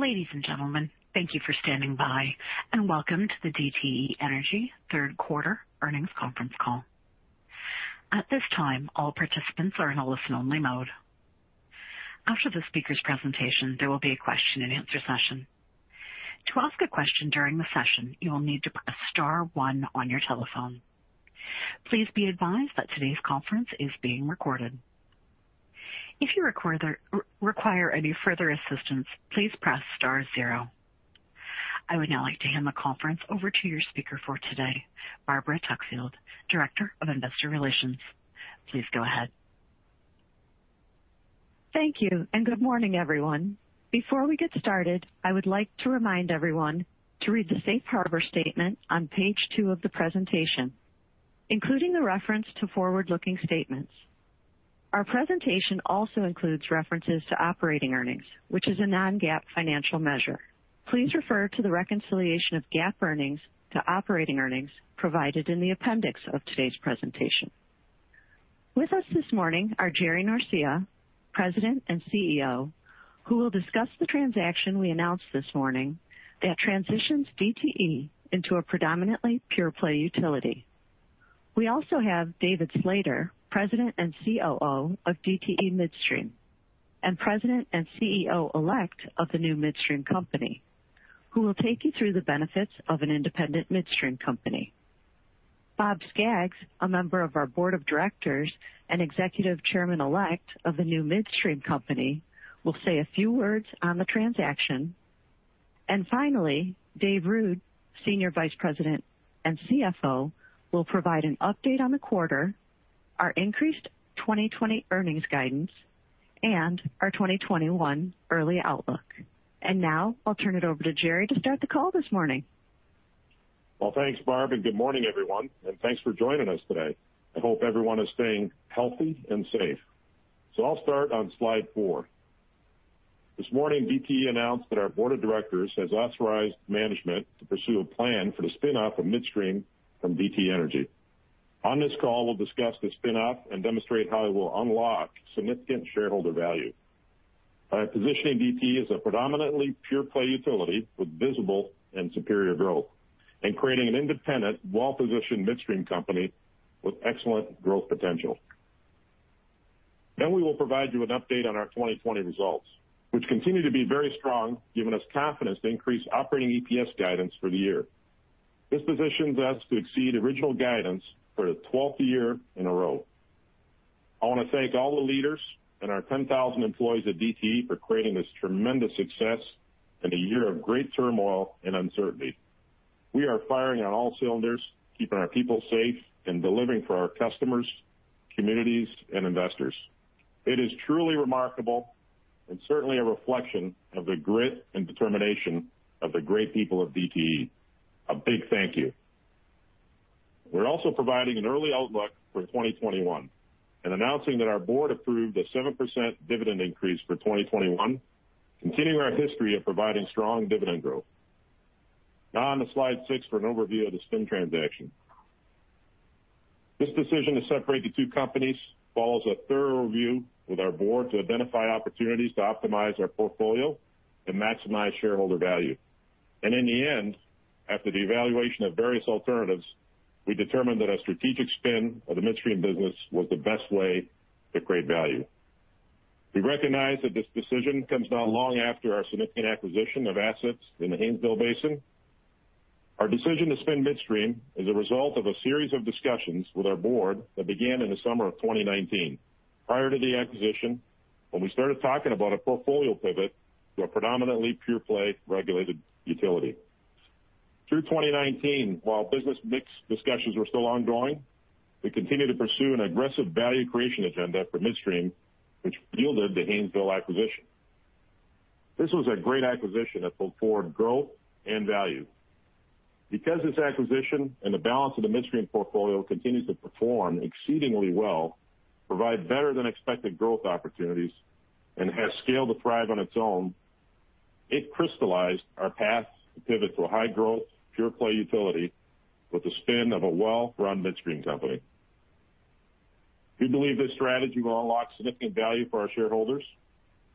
Ladies and gentlemen, thank you for standing by, and welcome to the DTE Energy third quarter earnings conference call. At this time, all participants are in a listen-only mode. After the speakers' presentation, there will be a question-and-answer session. To ask a question during the session, you will need to press star one on your telephone. Please be advised that today's conference is being recorded. If you require any further assistance, please press star zero. I would now like to hand the conference over to your speaker for today, Barbara Tuckfield, Director of Investor Relations. Please go ahead. Thank you. Good morning, everyone. Before we get started, I would like to remind everyone to read the safe harbor statement on page two of the presentation, including the reference to forward-looking statements. Our presentation also includes references to operating earnings, which is a non-GAAP financial measure. Please refer to the reconciliation of GAAP earnings to operating earnings provided in the appendix of today's presentation. With us this morning are Jerry Norcia, President and CEO, who will discuss the transaction we announced this morning that transitions DTE into a predominantly pure-play utility. We also have David Slater, President and COO of DTE Midstream, and President and CEO-elect of the new midstream company, who will take you through the benefits of an independent midstream company. Bob Skaggs, a member of our board of directors and Executive Chairman-elect of the new midstream company, will say a few words on the transaction. Finally, Dave Ruud, Senior Vice President and CFO, will provide an update on the quarter, our increased 2020 earnings guidance, and our 2021 early outlook. Now I'll turn it over to Jerry to start the call this morning. Well, thanks, Barb, and good morning, everyone, and thanks for joining us today. I hope everyone is staying healthy and safe. I'll start on slide four. This morning, DTE announced that our board of directors has authorized management to pursue a plan for the spin-off of midstream from DTE Energy. On this call, we'll discuss the spin-off and demonstrate how it will unlock significant shareholder value by positioning DTE as a predominantly pure-play utility with visible and superior growth and creating an independent, well-positioned midstream company with excellent growth potential. We will provide you an update on our 2020 results, which continue to be very strong, giving us confidence to increase operating EPS guidance for the year. This positions us to exceed original guidance for the 12th year in a row. I want to thank all the leaders and our 10,000 employees at DTE for creating this tremendous success in a year of great turmoil and uncertainty. We are firing on all cylinders, keeping our people safe, and delivering for our customers, communities, and investors. It is truly remarkable and certainly a reflection of the grit and determination of the great people of DTE. A big thank you. We're also providing an early outlook for 2021 and announcing that our board approved a 7% dividend increase for 2021, continuing our history of providing strong dividend growth. On to slide six for an overview of the spin transaction. This decision to separate the two companies follows a thorough review with our board to identify opportunities to optimize our portfolio and maximize shareholder value. In the end, after the evaluation of various alternatives, we determined that a strategic spin of the Midstream business was the best way to create value. We recognize that this decision comes not long after our significant acquisition of assets in the Haynesville Basin. Our decision to spin Midstream is a result of a series of discussions with our board that began in the summer of 2019, prior to the acquisition, when we started talking about a portfolio pivot to a predominantly pure-play regulated utility. Through 2019, while business mix discussions were still ongoing, we continued to pursue an aggressive value creation agenda for Midstream, which yielded the Haynesville acquisition. This was a great acquisition that pulled forward growth and value. Because this acquisition and the balance of the midstream portfolio continues to perform exceedingly well, provide better than expected growth opportunities, and has scale to thrive on its own, it crystallized our path to pivot to a high-growth, pure-play utility with the spin of a well-run midstream company. We believe this strategy will unlock significant value for our shareholders.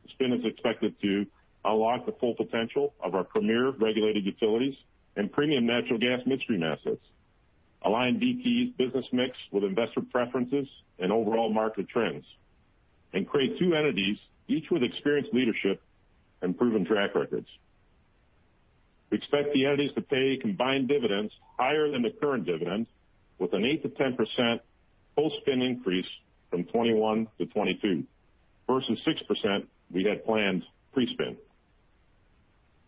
The spin is expected to unlock the full potential of our premier regulated utilities and premium natural gas midstream assets, align DTE's business mix with investor preferences and overall market trends, and create two entities, each with experienced leadership and proven track records. We expect the entities to pay combined dividends higher than the current dividend, with an 8%-10% post-spin increase from 2021-2022 versus 6% we had planned pre-spin.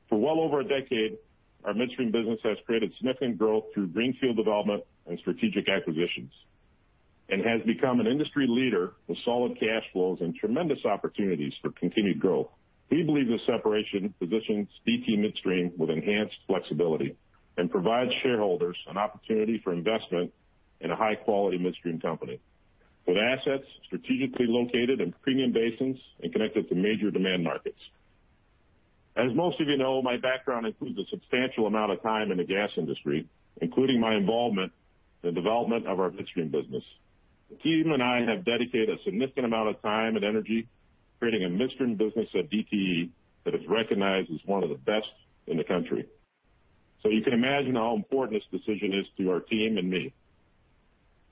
For well over a decade, our midstream business has created significant growth through greenfield development and strategic acquisitions and has become an industry leader with solid cash flows and tremendous opportunities for continued growth. We believe this separation positions DTE Midstream with enhanced flexibility and provides shareholders an opportunity for investment in a high-quality midstream company with assets strategically located in premium basins and connected to major demand markets. As most of you know, my background includes a substantial amount of time in the gas industry, including my involvement in the development of our midstream business. The team and I have dedicated a significant amount of time and energy creating a midstream business at DTE that is recognized as one of the best in the country. You can imagine how important this decision is to our team and me.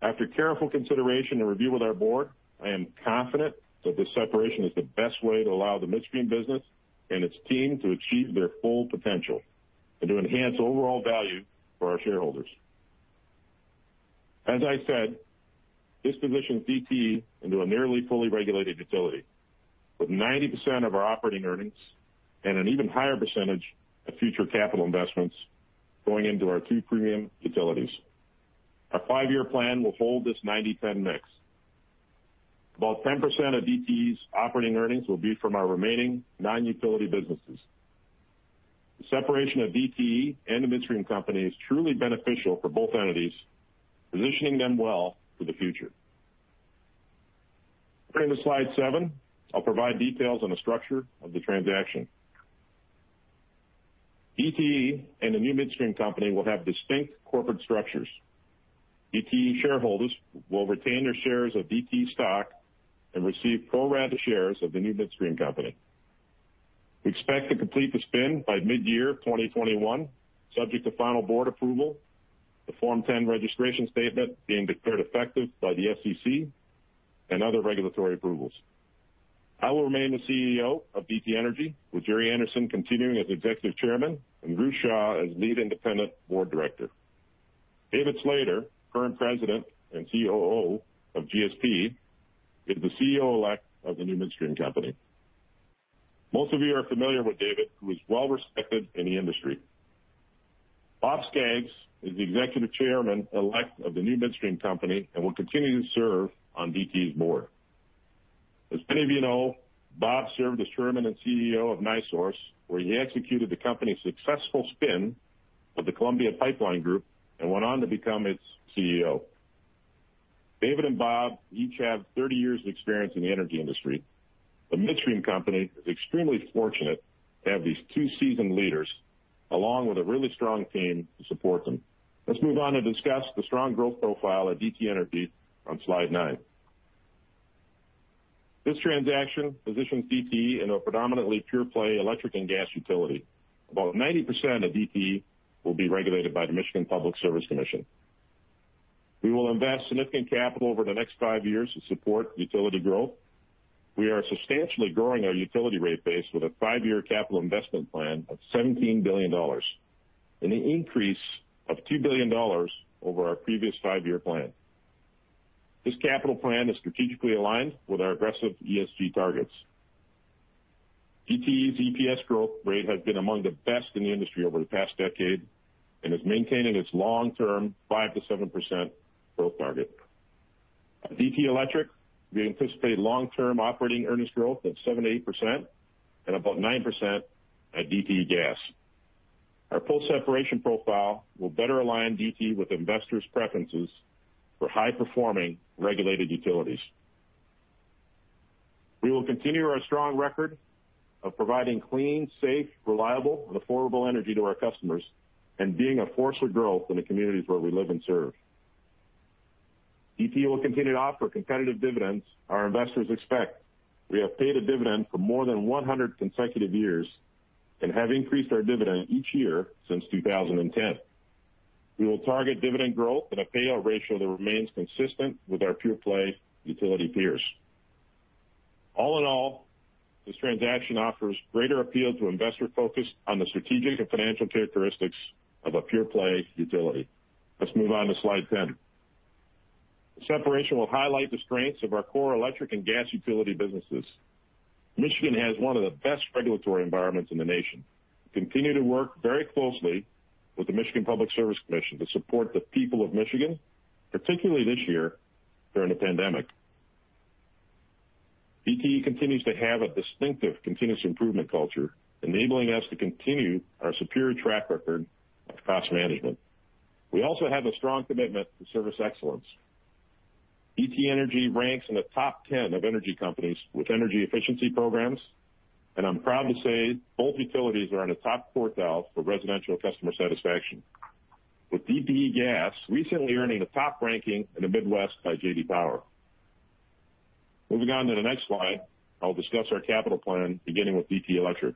After careful consideration and review with our board, I am confident that this separation is the best way to allow the midstream business and its team to achieve their full potential and to enhance overall value for our shareholders. As I said, this positions DTE into a nearly fully regulated utility, with 90% of our operating earnings and an even higher percentage of future capital investments going into our two premium utilities. Our five-year plan will hold this 90/10 mix. About 10% of DTE's operating earnings will be from our remaining non-utility businesses. The separation of DTE and the midstream company is truly beneficial for both entities, positioning them well for the future. Turning to slide seven, I'll provide details on the structure of the transaction. DTE and the new midstream company will have distinct corporate structures. DTE shareholders will retain their shares of DTE stock and receive pro-rata shares of the new midstream company. We expect to complete the spin by mid-year 2021, subject to final board approval, the Form 10 registration statement being declared effective by the SEC, and other regulatory approvals. I will remain the CEO of DTE Energy, with Gerry Anderson continuing as Executive Chairman and Ruth Shaw as Lead Independent Board Director. David Slater, current President and COO of GSP, is the CEO-elect of the new midstream company. Most of you are familiar with David, who is well-respected in the industry. Bob Skaggs is the Executive Chairman-elect of the new midstream company and will continue to serve on DTE's board. As many of you know, Bob served as Chairman and CEO of NiSource, where he executed the company's successful spin of the Columbia Pipeline Group and went on to become its CEO. David and Bob each have 30 years of experience in the energy industry. The midstream company is extremely fortunate to have these two seasoned leaders, along with a really strong team to support them. Let's move on to discuss the strong growth profile of DTE Energy on slide nine. This transaction positions DTE in a predominantly pure-play electric and gas utility. About 90% of DTE will be regulated by the Michigan Public Service Commission. We will invest significant capital over the next five years to support utility growth. We are substantially growing our utility rate base with a five-year capital investment plan of $17 billion, an increase of $2 billion over our previous five-year plan. This capital plan is strategically aligned with our aggressive ESG targets. DTE's EPS growth rate has been among the best in the industry over the past decade and is maintaining its long-term 5%-7% growth target. At DTE Electric, we anticipate long-term operating earnings growth of 7%-8%, and about 9% at DTE Gas. Our post-separation profile will better align DTE with investors' preferences for high-performing regulated utilities. We will continue our strong record of providing clean, safe, reliable, and affordable energy to our customers and being a force for growth in the communities where we live and serve. DTE will continue to offer competitive dividends our investors expect. We have paid a dividend for more than 100 consecutive years and have increased our dividend each year since 2010. We will target dividend growth and a payout ratio that remains consistent with our pure-play utility peers. All in all, this transaction offers greater appeal to investor focus on the strategic and financial characteristics of a pure-play utility. Let's move on to slide 10. The separation will highlight the strengths of our core electric and gas utility businesses. Michigan has one of the best regulatory environments in the nation. We continue to work very closely with the Michigan Public Service Commission to support the people of Michigan, particularly this year during the pandemic. DTE continues to have a distinctive continuous improvement culture, enabling us to continue our superior track record of cost management. We also have a strong commitment to service excellence. DTE Energy ranks in the top 10 of energy companies with energy efficiency programs, and I'm proud to say both utilities are in the top quartile for residential customer satisfaction, with DTE Gas recently earning a top ranking in the Midwest by J.D. Power. Moving on to the next slide, I will discuss our capital plan beginning with DTE Electric.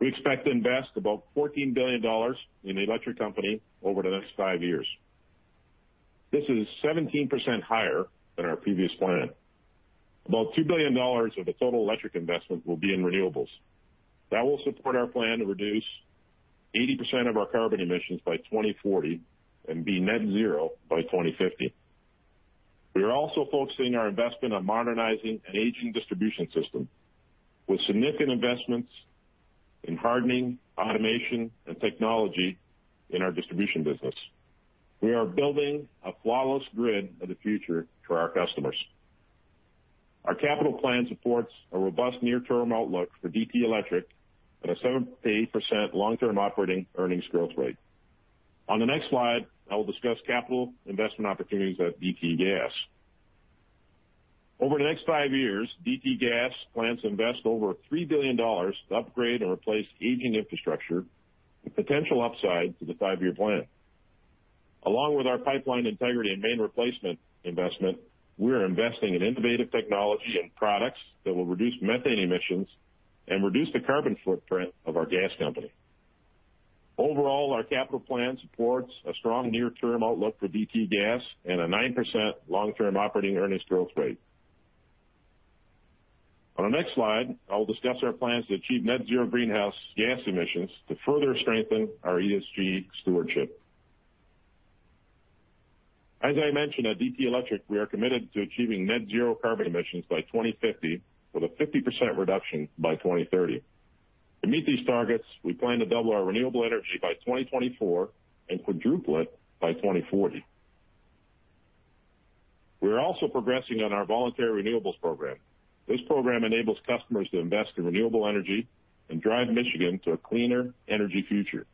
We expect to invest about $14 billion in the electric company over the next five years. This is 17% higher than our previous plan. About $2 billion of the total electric investment will be in renewables. That will support our plan to reduce 80% of our carbon emissions by 2040 and be net zero by 2050. We are also focusing our investment on modernizing an aging distribution system with significant investments in hardening, automation, and technology in our distribution business. We are building a flawless grid of the future for our customers. Our capital plan supports a robust near-term outlook for DTE Electric at a 7%-8% long-term operating earnings growth rate. On the next slide, I will discuss capital investment opportunities at DTE Gas. Over the next five years, DTE Gas plans to invest over $3 billion to upgrade and replace aging infrastructure with potential upside to the five-year plan. Along with our pipeline integrity and main replacement investment, we are investing in innovative technology and products that will reduce methane emissions and reduce the carbon footprint of our gas company. Overall, our capital plan supports a strong near-term outlook for DTE Gas and a 9% long-term operating earnings growth rate. On our next slide, I will discuss our plans to achieve net zero greenhouse gas emissions to further strengthen our ESG stewardship. As I mentioned, at DTE Electric, we are committed to achieving net zero carbon emissions by 2050 with a 50% reduction by 2030. To meet these targets, we plan to double our renewable energy by 2024 and quadruple it by 2040. We are also progressing on our voluntary renewables program. This program enables customers to invest in renewable energy and drive Michigan to a cleaner energy future.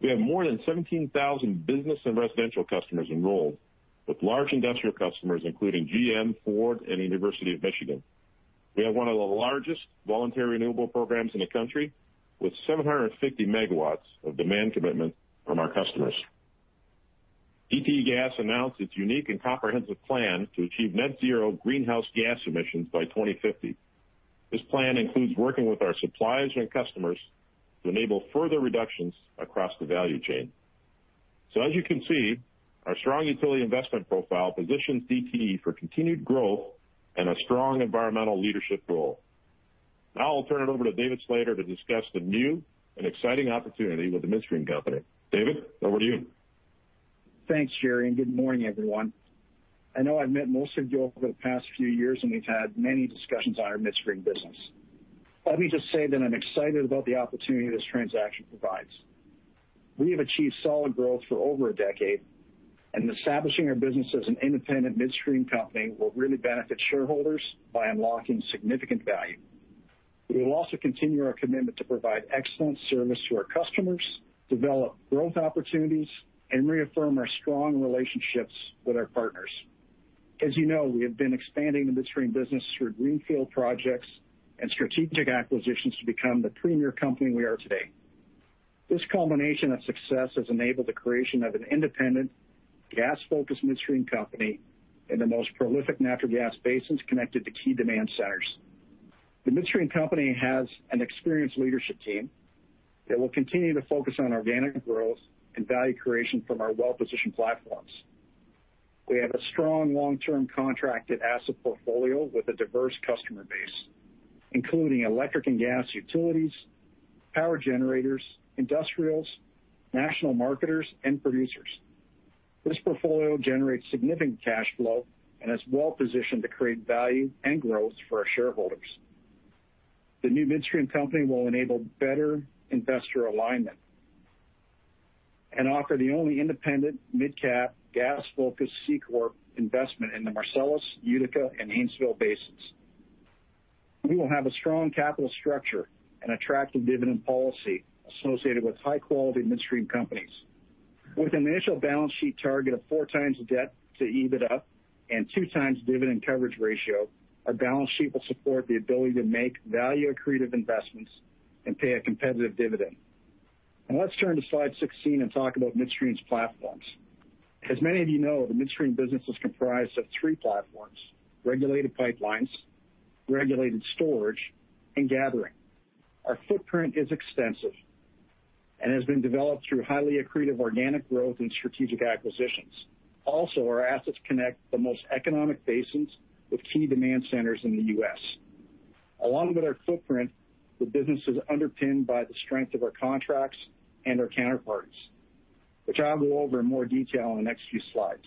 We have more than 17,000 business and residential customers enrolled with large industrial customers, including GM, Ford, and University of Michigan. We have one of the largest voluntary renewable programs in the country, with 750 megawatts of demand commitment from our customers. DTE Gas announced its unique and comprehensive plan to achieve net zero greenhouse gas emissions by 2050. This plan includes working with our suppliers and customers to enable further reductions across the value chain. As you can see, our strong utility investment profile positions DTE for continued growth and a strong environmental leadership role. Now I'll turn it over to David Slater to discuss the new and exciting opportunity with the Midstream company. David, over to you. Thanks, Jerry. Good morning, everyone. I know I've met most of you over the past few years, and we've had many discussions on our Midstream business. Let me just say that I'm excited about the opportunity this transaction provides. We have achieved solid growth for over a decade, and establishing our business as an independent midstream company will really benefit shareholders by unlocking significant value. We will also continue our commitment to provide excellent service to our customers, develop growth opportunities, and reaffirm our strong relationships with our partners. As you know, we have been expanding the Midstream business through greenfield projects and strategic acquisitions to become the premier company we are today. This culmination of success has enabled the creation of an independent, gas-focused midstream company in the most prolific natural gas basins connected to key demand centers. The Midstream company has an experienced leadership team that will continue to focus on organic growth and value creation from our well-positioned platforms. We have a strong long-term contracted asset portfolio with a diverse customer base, including electric and gas utilities, power generators, industrials, national marketers, and producers. This portfolio generates significant cash flow and is well-positioned to create value and growth for our shareholders. The new Midstream company will enable better investor alignment and offer the only independent mid-cap gas-focused C-corp investment in the Marcellus, Utica, and Haynesville basins. We will have a strong capital structure and attractive dividend policy associated with high-quality midstream companies. With an initial balance sheet target of four times debt to EBITDA and two times dividend coverage ratio, our balance sheet will support the ability to make value-accretive investments and pay a competitive dividend. Let's turn to slide 16 and talk about DTE Midstream's platforms. As many of you know, the DTE Midstream business is comprised of three platforms: regulated pipelines, regulated storage, and gathering. Our footprint is extensive and has been developed through highly accretive organic growth and strategic acquisitions. Our assets connect the most economic basins with key demand centers in the U.S. Along with our footprint, the business is underpinned by the strength of our contracts and our counterparts, which I'll go over in more detail in the next few slides.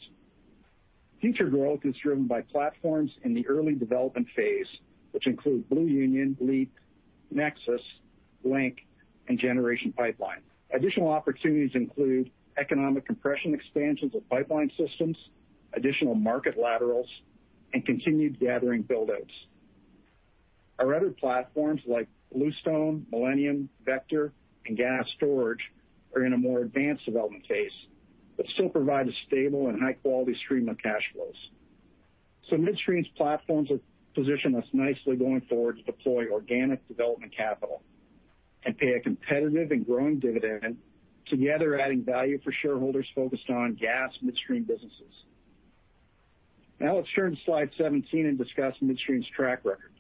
Future growth is driven by platforms in the early development phase, which include Blue Union, LEAP, NEXUS, Link, and Generation Pipeline. Additional opportunities include economic compression expansions of pipeline systems, additional market laterals, and continued gathering build-outs. Our other platforms, like Bluestone, Millennium, Vector, and Gas Storage, are in a more advanced development phase. Still provide a stable and high-quality stream of cash flows. Midstream's platforms will position us nicely going forward to deploy organic development capital and pay a competitive and growing dividend, together adding value for shareholders focused on gas midstream businesses. Let's turn to slide 17 and discuss Midstream's track record.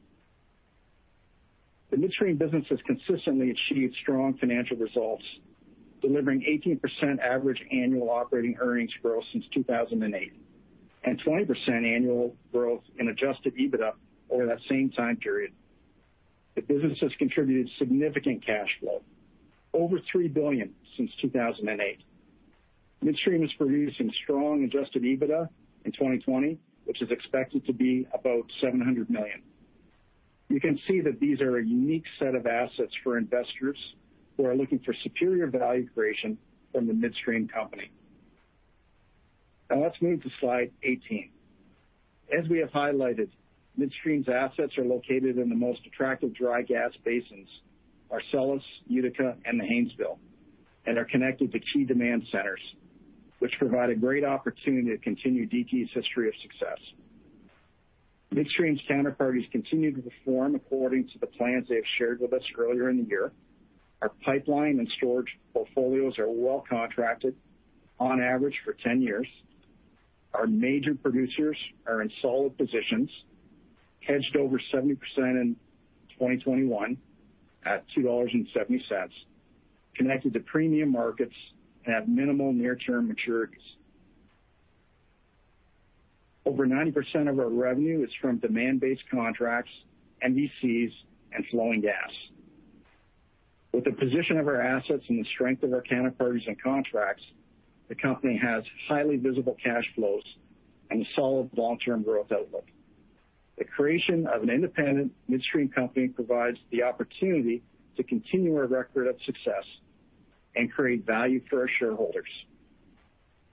The Midstream business has consistently achieved strong financial results, delivering 18% average annual operating earnings growth since 2008 and 20% annual growth in adjusted EBITDA over that same time period. The business has contributed significant cash flow, over $3 billion since 2008. Midstream is producing strong adjusted EBITDA in 2020, which is expected to be about $700 million. You can see that these are a unique set of assets for investors who are looking for superior value creation from the Midstream Company. Let's move to slide 18. As we have highlighted, Midstream's assets are located in the most attractive dry gas basins, Marcellus, Utica, and the Haynesville, and are connected to key demand centers. Which provide a great opportunity to continue DTE's history of success. Midstream's counterparties continue to perform according to the plans they have shared with us earlier in the year. Our pipeline and storage portfolios are well-contracted, on average for 10 years. Our major producers are in solid positions, hedged over 70% in 2021 at $2.70, connected to premium markets, and have minimal near-term maturities. Over 90% of our revenue is from demand-based contracts, MVCs, and flowing gas. With the position of our assets and the strength of our counterparties and contracts, the company has highly visible cash flows and a solid long-term growth outlook. The creation of an independent midstream company provides the opportunity to continue our record of success and create value for our shareholders.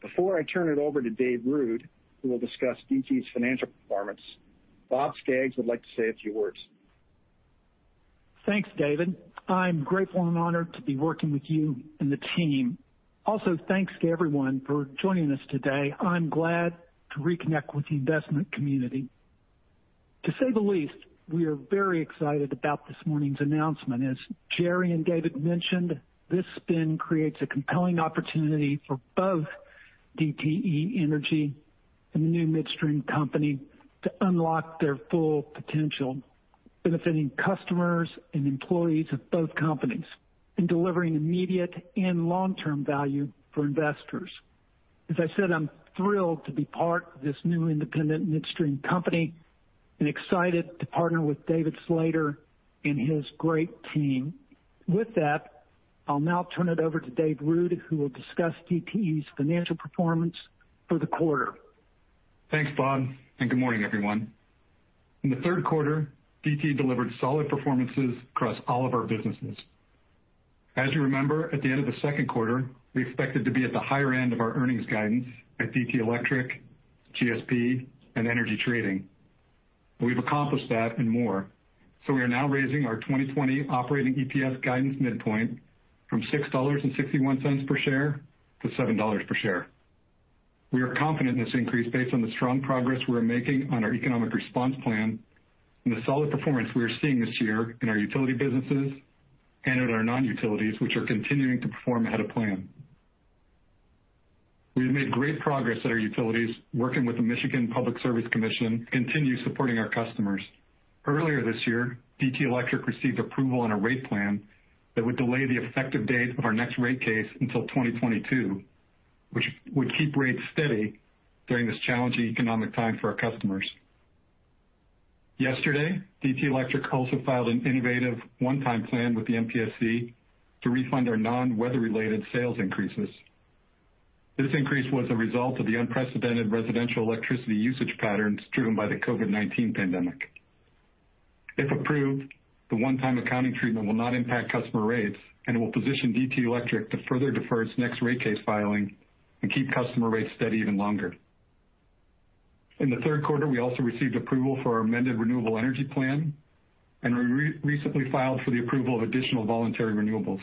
Before I turn it over to Dave Ruud, who will discuss DTE's financial performance, Bob Skaggs would like to say a few words. Thanks, David. I'm grateful and honored to be working with you and the team. Also, thanks to everyone for joining us today. I'm glad to reconnect with the investment community. To say the least, we are very excited about this morning's announcement. As Jerry and David mentioned, this spin creates a compelling opportunity for both DTE Energy and the new midstream company to unlock their full potential, benefiting customers and employees of both companies, and delivering immediate and long-term value for investors. As I said, I'm thrilled to be part of this new independent midstream company, and excited to partner with David Slater and his great team. With that, I'll now turn it over to Dave Ruud, who will discuss DTE's financial performance for the quarter. Thanks, Bob. Good morning, everyone. In the third quarter, DTE delivered solid performances across all of our businesses. As you remember, at the end of the second quarter, we expected to be at the higher end of our earnings guidance at DTE Electric, GSP, and Energy Trading. We've accomplished that and more. We are now raising our 2020 operating EPS guidance midpoint from $6.61 per share to $7 per share. We are confident in this increase based on the strong progress we're making on our economic response plan and the solid performance we are seeing this year in our utility businesses and at our non-utilities, which are continuing to perform ahead of plan. We have made great progress at our utilities, working with the Michigan Public Service Commission, to continue supporting our customers. Earlier this year, DTE Electric received approval on a rate plan that would delay the effective date of our next rate case until 2022, which would keep rates steady during this challenging economic time for our customers. Yesterday, DTE Electric also filed an innovative one-time plan with the MPSC to refund our non-weather-related sales increases. This increase was a result of the unprecedented residential electricity usage patterns driven by the COVID-19 pandemic. If approved, the one-time accounting treatment will not impact customer rates, and it will position DTE Electric to further defer its next rate case filing and keep customer rates steady even longer. In the third quarter, we also received approval for our amended renewable energy plan, and we recently filed for the approval of additional voluntary renewables.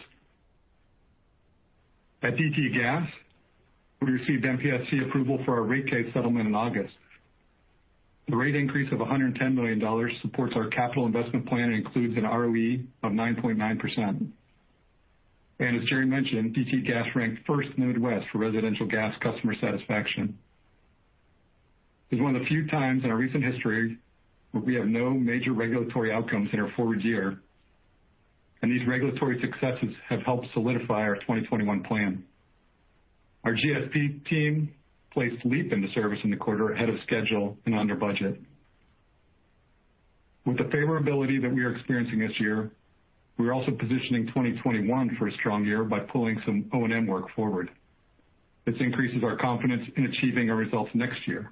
At DTE Gas, we received MPSC approval for our rate case settlement in August. The rate increase of $110 million supports our capital investment plan and includes an ROE of 9.9%. As Jerry mentioned, DTE Gas ranked first in the Midwest for residential gas customer satisfaction. It's one of the few times in our recent history where we have no major regulatory outcomes in our forward year, and these regulatory successes have helped solidify our 2021 plan. Our GSP team placed LEAP into service in the quarter ahead of schedule and under budget. With the favorability that we are experiencing this year, we are also positioning 2021 for a strong year by pulling some O&M work forward. This increases our confidence in achieving our results next year.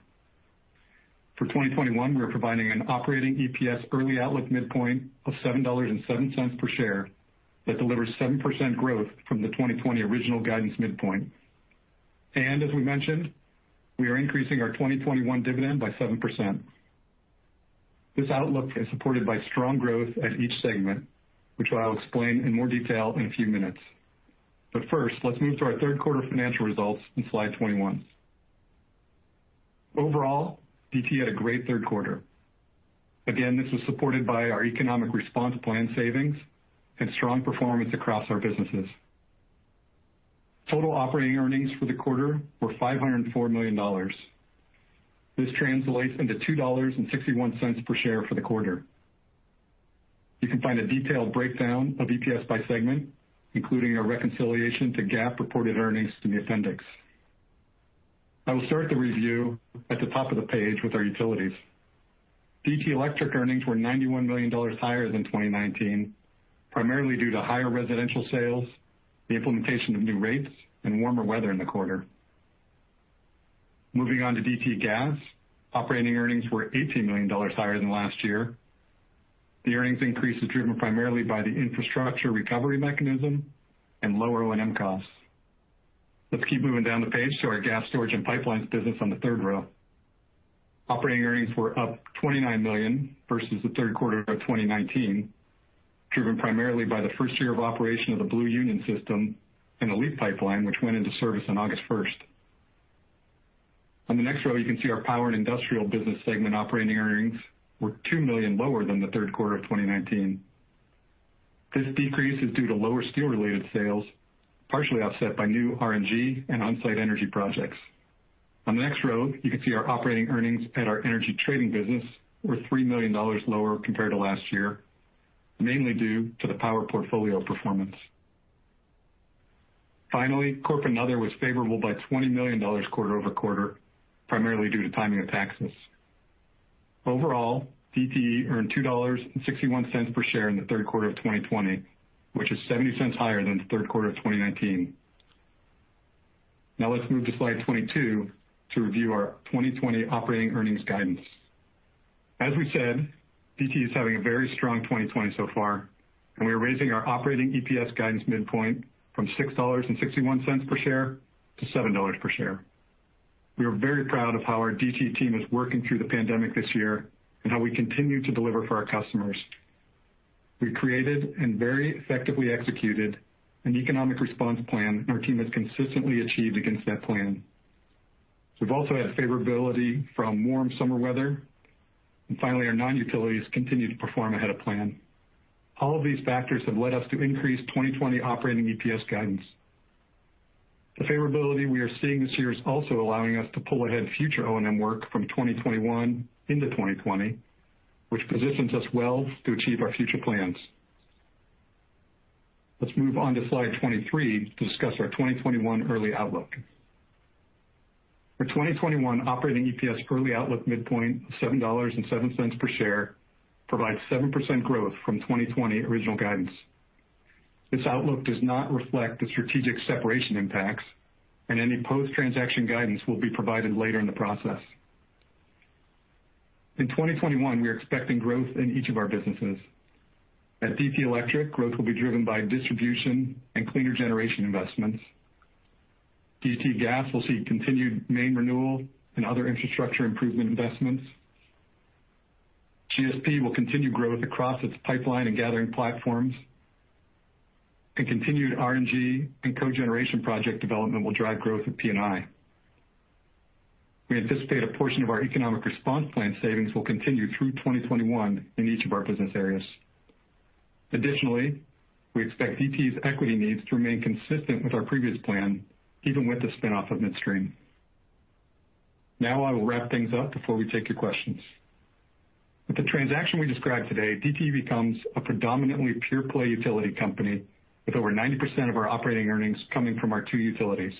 For 2021, we are providing an operating EPS early outlook midpoint of $7.07 per share that delivers 7% growth from the 2020 original guidance midpoint. As we mentioned, we are increasing our 2021 dividend by 7%. This outlook is supported by strong growth at each segment, which I'll explain in more detail in a few minutes. First, let's move to our third quarter financial results on slide 21. Overall, DTE had a great third quarter. Again, this was supported by our economic response plan savings and strong performance across our businesses. Total operating earnings for the quarter were $504 million. This translates into $2.61 per share for the quarter. You can find a detailed breakdown of EPS by segment, including a reconciliation to GAAP-reported earnings, in the appendix. I will start the review at the top of the page with our utilities. DTE Electric earnings were $91 million higher than 2019, primarily due to higher residential sales, the implementation of new rates, and warmer weather in the quarter. Moving on to DTE Gas, operating earnings were $18 million higher than last year. The earnings increase is driven primarily by the Infrastructure Recovery Mechanism and lower O&M costs. Let's keep moving down the page to our gas storage and pipelines business on the third row. Operating earnings were up $29 million versus the third quarter of 2019, driven primarily by the first year of operation of the Blue Union system and LEAP Pipeline, which went into service on August 1st. On the next row, you can see our Power and Industrial business segment operating earnings were $2 million lower than the third quarter of 2019. This decrease is due to lower steel-related sales, partially offset by new RNG and on-site energy projects. On the next row, you can see our operating earnings at our energy trading business were $3 million lower compared to last year, mainly due to the power portfolio performance. Corporate and Other was favorable by $20 million quarter-over-quarter, primarily due to timing of taxes. DTE earned $2.61 per share in the third quarter of 2020, which is $0.70 higher than the third quarter of 2019. Let's move to slide 22 to review our 2020 operating earnings guidance. As we said, DTE is having a very strong 2020 so far, we are raising our operating EPS guidance midpoint from $6.61 per share to $7 per share. We are very proud of how our DTE team is working through the pandemic this year, how we continue to deliver for our customers. We created and very effectively executed an economic response plan, and our team has consistently achieved against that plan. We've also had favorability from warm summer weather. Finally, our non-utilities continue to perform ahead of plan. All of these factors have led us to increase 2020 operating EPS guidance. The favorability we are seeing this year is also allowing us to pull ahead future O&M work from 2021 into 2020, which positions us well to achieve our future plans. Let's move on to slide 23 to discuss our 2021 early outlook. For 2021, operating EPS early outlook midpoint of $7.07 per share provides 7% growth from 2020 original guidance. This outlook does not reflect the strategic separation impacts, and any post-transaction guidance will be provided later in the process. In 2021, we are expecting growth in each of our businesses. At DTE Electric, growth will be driven by distribution and cleaner generation investments. DTE Gas will see continued main renewal and other infrastructure improvement investments. GSP will continue growth across its pipeline and gathering platforms. Continued RNG and cogeneration project development will drive growth at P&I. We anticipate a portion of our economic response plan savings will continue through 2021 in each of our business areas. Additionally, we expect DTE's equity needs to remain consistent with our previous plan, even with the spin-off of Midstream. I will wrap things up before we take your questions. With the transaction we described today, DTE becomes a predominantly pure-play utility company with over 90% of our operating earnings coming from our two utilities.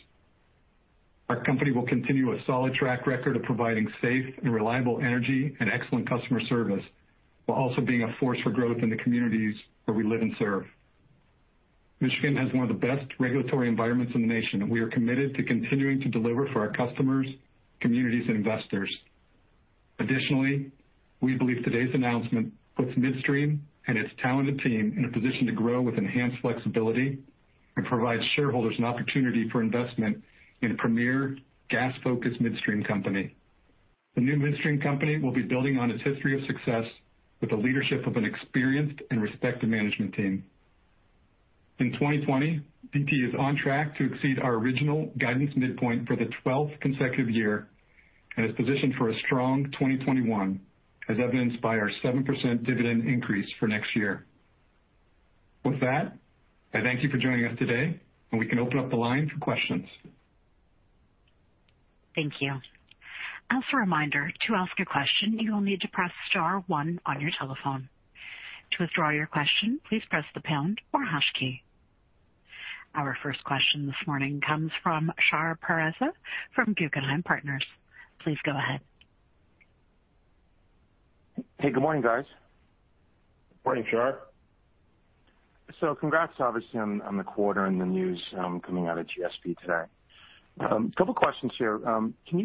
Our company will continue a solid track record of providing safe and reliable energy and excellent customer service, while also being a force for growth in the communities where we live and serve. Michigan has one of the best regulatory environments in the nation. We are committed to continuing to deliver for our customers, communities, and investors. Additionally, we believe today's announcement puts Midstream and its talented team in a position to grow with enhanced flexibility and provides shareholders an opportunity for investment in a premier gas-focused midstream company. The new midstream company will be building on its history of success with the leadership of an experienced and respected management team. In 2020, DTE is on track to exceed our original guidance midpoint for the 12th consecutive year and is positioned for a strong 2021, as evidenced by our 7% dividend increase for next year. With that, I thank you for joining us today, and we can open up the line for questions. Thank you. As a reminder, to ask a question, you will need to press star one on your telephone. To withdraw your question, please press the pound or hash key. Our first question this morning comes from Shar Pourreza from Guggenheim Partners. Please go ahead. Hey, good morning, guys. Morning, Shar. Congrats, obviously, on the quarter and the news coming out of GSP today. A couple questions here. Can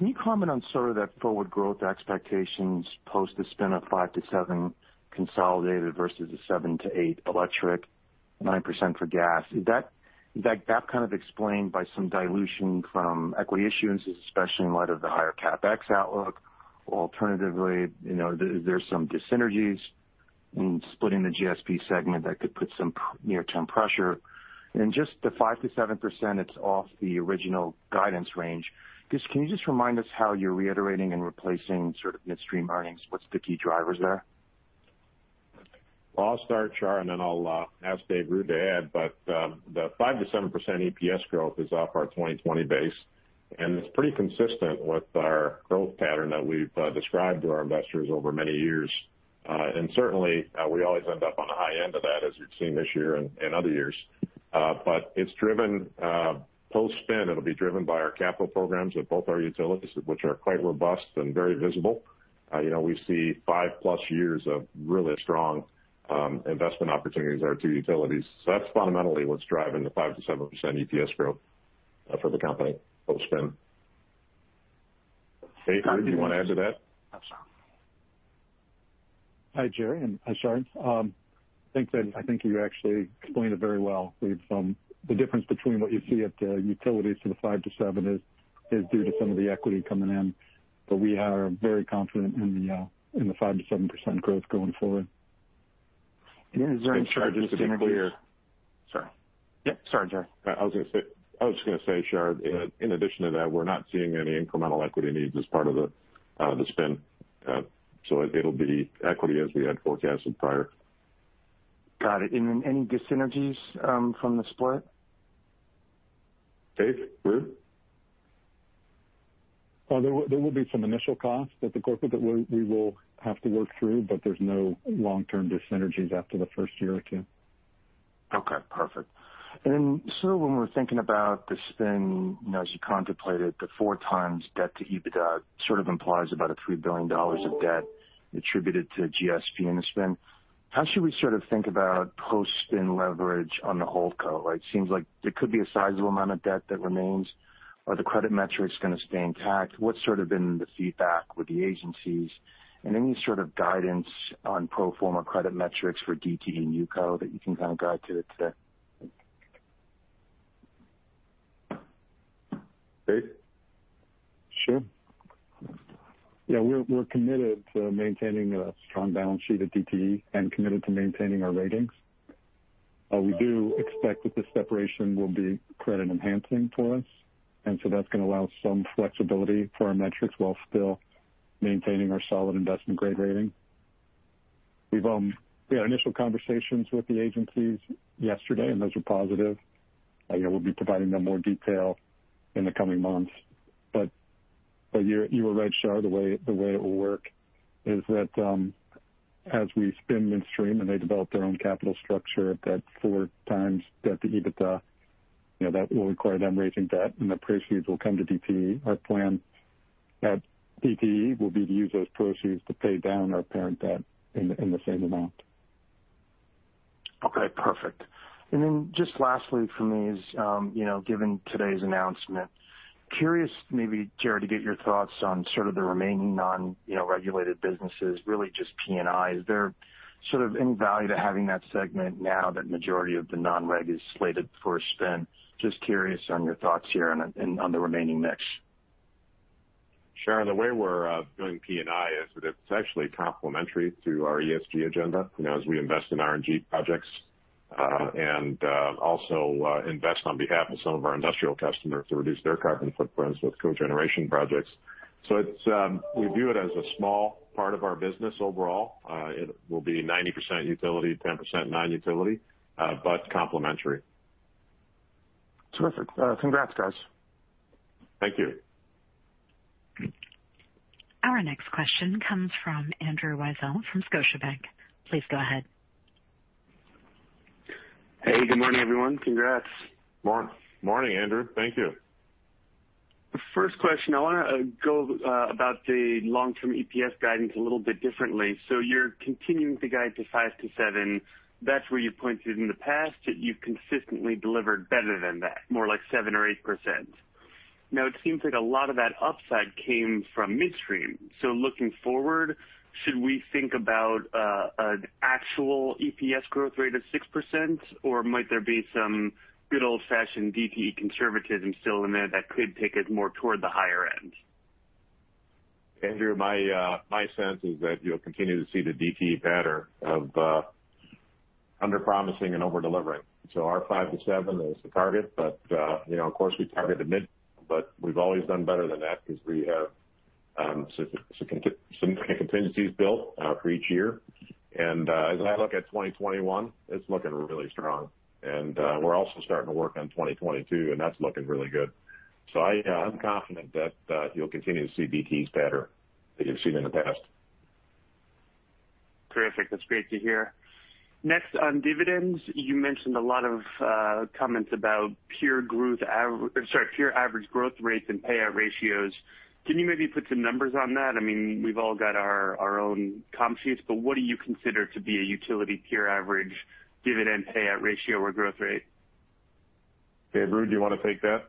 you comment on sort of that forward growth expectations post the spin of 5%-7% consolidated versus the 7%-8% Electric, 9% for Gas? Is that kind of explained by some dilution from equity issuances, especially in light of the higher CapEx outlook? Alternatively, is there some dyssynergies in splitting the GSP segment that could put some near-term pressure? Just the 5%-7% it's off the original guidance range. Can you just remind us how you're reiterating and replacing sort of Midstream earnings? What's the key drivers there? I'll start, Shar, and then I'll ask Dave Ruud to add. The 5%-7% EPS growth is off our 2020 base, and it's pretty consistent with our growth pattern that we've described to our investors over many years. Certainly, we always end up on the high end of that, as you've seen this year and other years. Post-spin, it'll be driven by our capital programs at both our utilities, which are quite robust and very visible. We see five-plus years of really strong investment opportunities at our two utilities. That's fundamentally what's driving the 5%-7% EPS growth for the company post-spin. Dave, do you want to add to that? Hi, Jerry, and hi, Shar. I think you actually explained it very well. The difference between what you see at the utilities for the 5%-7% is due to some of the equity coming in. We are very confident in the 5%-7% growth going forward. Shar, just to be clear. Sorry. Yeah. Sorry, Jerry. I was just going to say, Shar, in addition to that, we're not seeing any incremental equity needs as part of the spin. It'll be equity as we had forecasted prior. Got it. Any dyssynergies from the split? Dave, Ruud? There will be some initial costs at the corporate that we will have to work through, but there's no long-term dyssynergies after the first year or two. Okay, perfect. When we're thinking about the spin, as you contemplated the four times debt to EBITDA sort of implies about a $3 billion of debt attributed to GSP in the spin, how should we sort of think about post-spin leverage on the hold co? It seems like there could be a sizable amount of debt that remains. Are the credit metrics going to stay intact? What sort of been the feedback with the agencies? Any sort of guidance on pro forma credit metrics for DTE new co that you can kind of guide to today? Dave? Sure. Yeah, we're committed to maintaining a strong balance sheet at DTE and committed to maintaining our ratings. We do expect that the separation will be credit-enhancing for us, that's going to allow some flexibility for our metrics while still maintaining our solid investment-grade rating. We had initial conversations with the agencies yesterday. Those were positive. We'll be providing them more detail in the coming months. You are right, Shar, the way it will work is that as we spin DTE Midstream and they develop their own capital structure at that 4x debt to EBITDA, that will require them raising debt, and the proceeds will come to DTE. Our plan at DTE will be to use those proceeds to pay down our parent debt in the same amount. Okay, perfect. Just lastly from me is, given today's announcement, curious maybe, Jerry, to get your thoughts on sort of the remaining non-regulated businesses, really just P&I. Is there sort of any value to having that segment now that majority of the non-reg is slated for spin? Just curious on your thoughts here and on the remaining mix. Shar, the way we're viewing P&I is that it's actually complementary to our ESG agenda, as we invest in RNG projects, and also invest on behalf of some of our industrial customers to reduce their carbon footprints with cogeneration projects. We view it as a small part of our business overall. It will be 90% utility, 10% non-utility, but complementary. Terrific. Congrats, guys. Thank you. Our next question comes from Andrew Weisel from Scotiabank. Please go ahead. Hey, good morning, everyone. Congrats. Morning, Andrew. Thank you. First question, I want to go about the long-term EPS guidance a little bit differently. You're continuing to guide to 5%-7%. That's where you've pointed in the past that you've consistently delivered better than that, more like 7% or 8%. It seems like a lot of that upside came from Midstream. Looking forward, should we think about an actual EPS growth rate of 6%? Might there be some good old-fashioned DTE conservatism still in there that could take us more toward the higher end? Andrew, my sense is that you'll continue to see the DTE pattern of under-promising and over-delivering. Our 5%-7% is the target. Of course, we target the mid, but we've always done better than that because we have some contingencies built out for each year. As I look at 2021, it's looking really strong. We're also starting to work on 2022, and that's looking really good. I'm confident that you'll continue to see DTE's pattern that you've seen in the past. Terrific. That's great to hear. Next, on dividends, you mentioned a lot of comments about peer average growth rates and payout ratios. Can you maybe put some numbers on that? I mean, we've all got our own confidences, but what do you consider to be a utility peer average dividend payout ratio or growth rate? Dave Ruud, do you want to take that?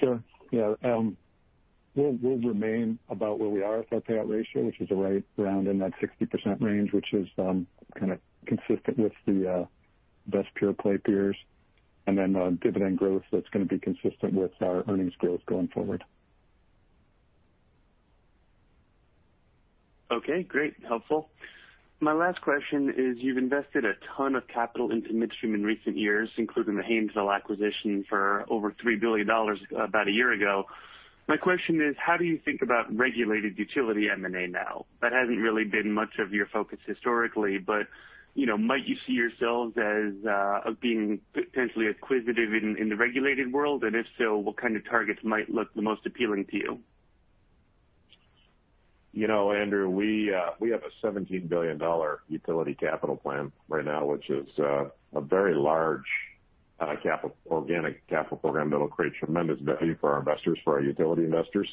Sure. Yeah. We'll remain about where we are with our payout ratio, which is right around in that 60% range, which is kind of consistent with the best pure-play peers. Dividend growth, that's going to be consistent with our earnings growth going forward. Okay, great. Helpful. My last question is, you've invested a ton of capital into Midstream in recent years, including the Haynesville acquisition for over $3 billion about a year ago. My question is, how do you think about regulated utility M&A now? That hasn't really been much of your focus historically, might you see yourselves as being potentially acquisitive in the regulated world? If so, what kind of targets might look the most appealing to you? Andrew, we have a $17 billion utility capital plan right now, which is a very large organic capital program that'll create tremendous value for our investors, for our utility investors.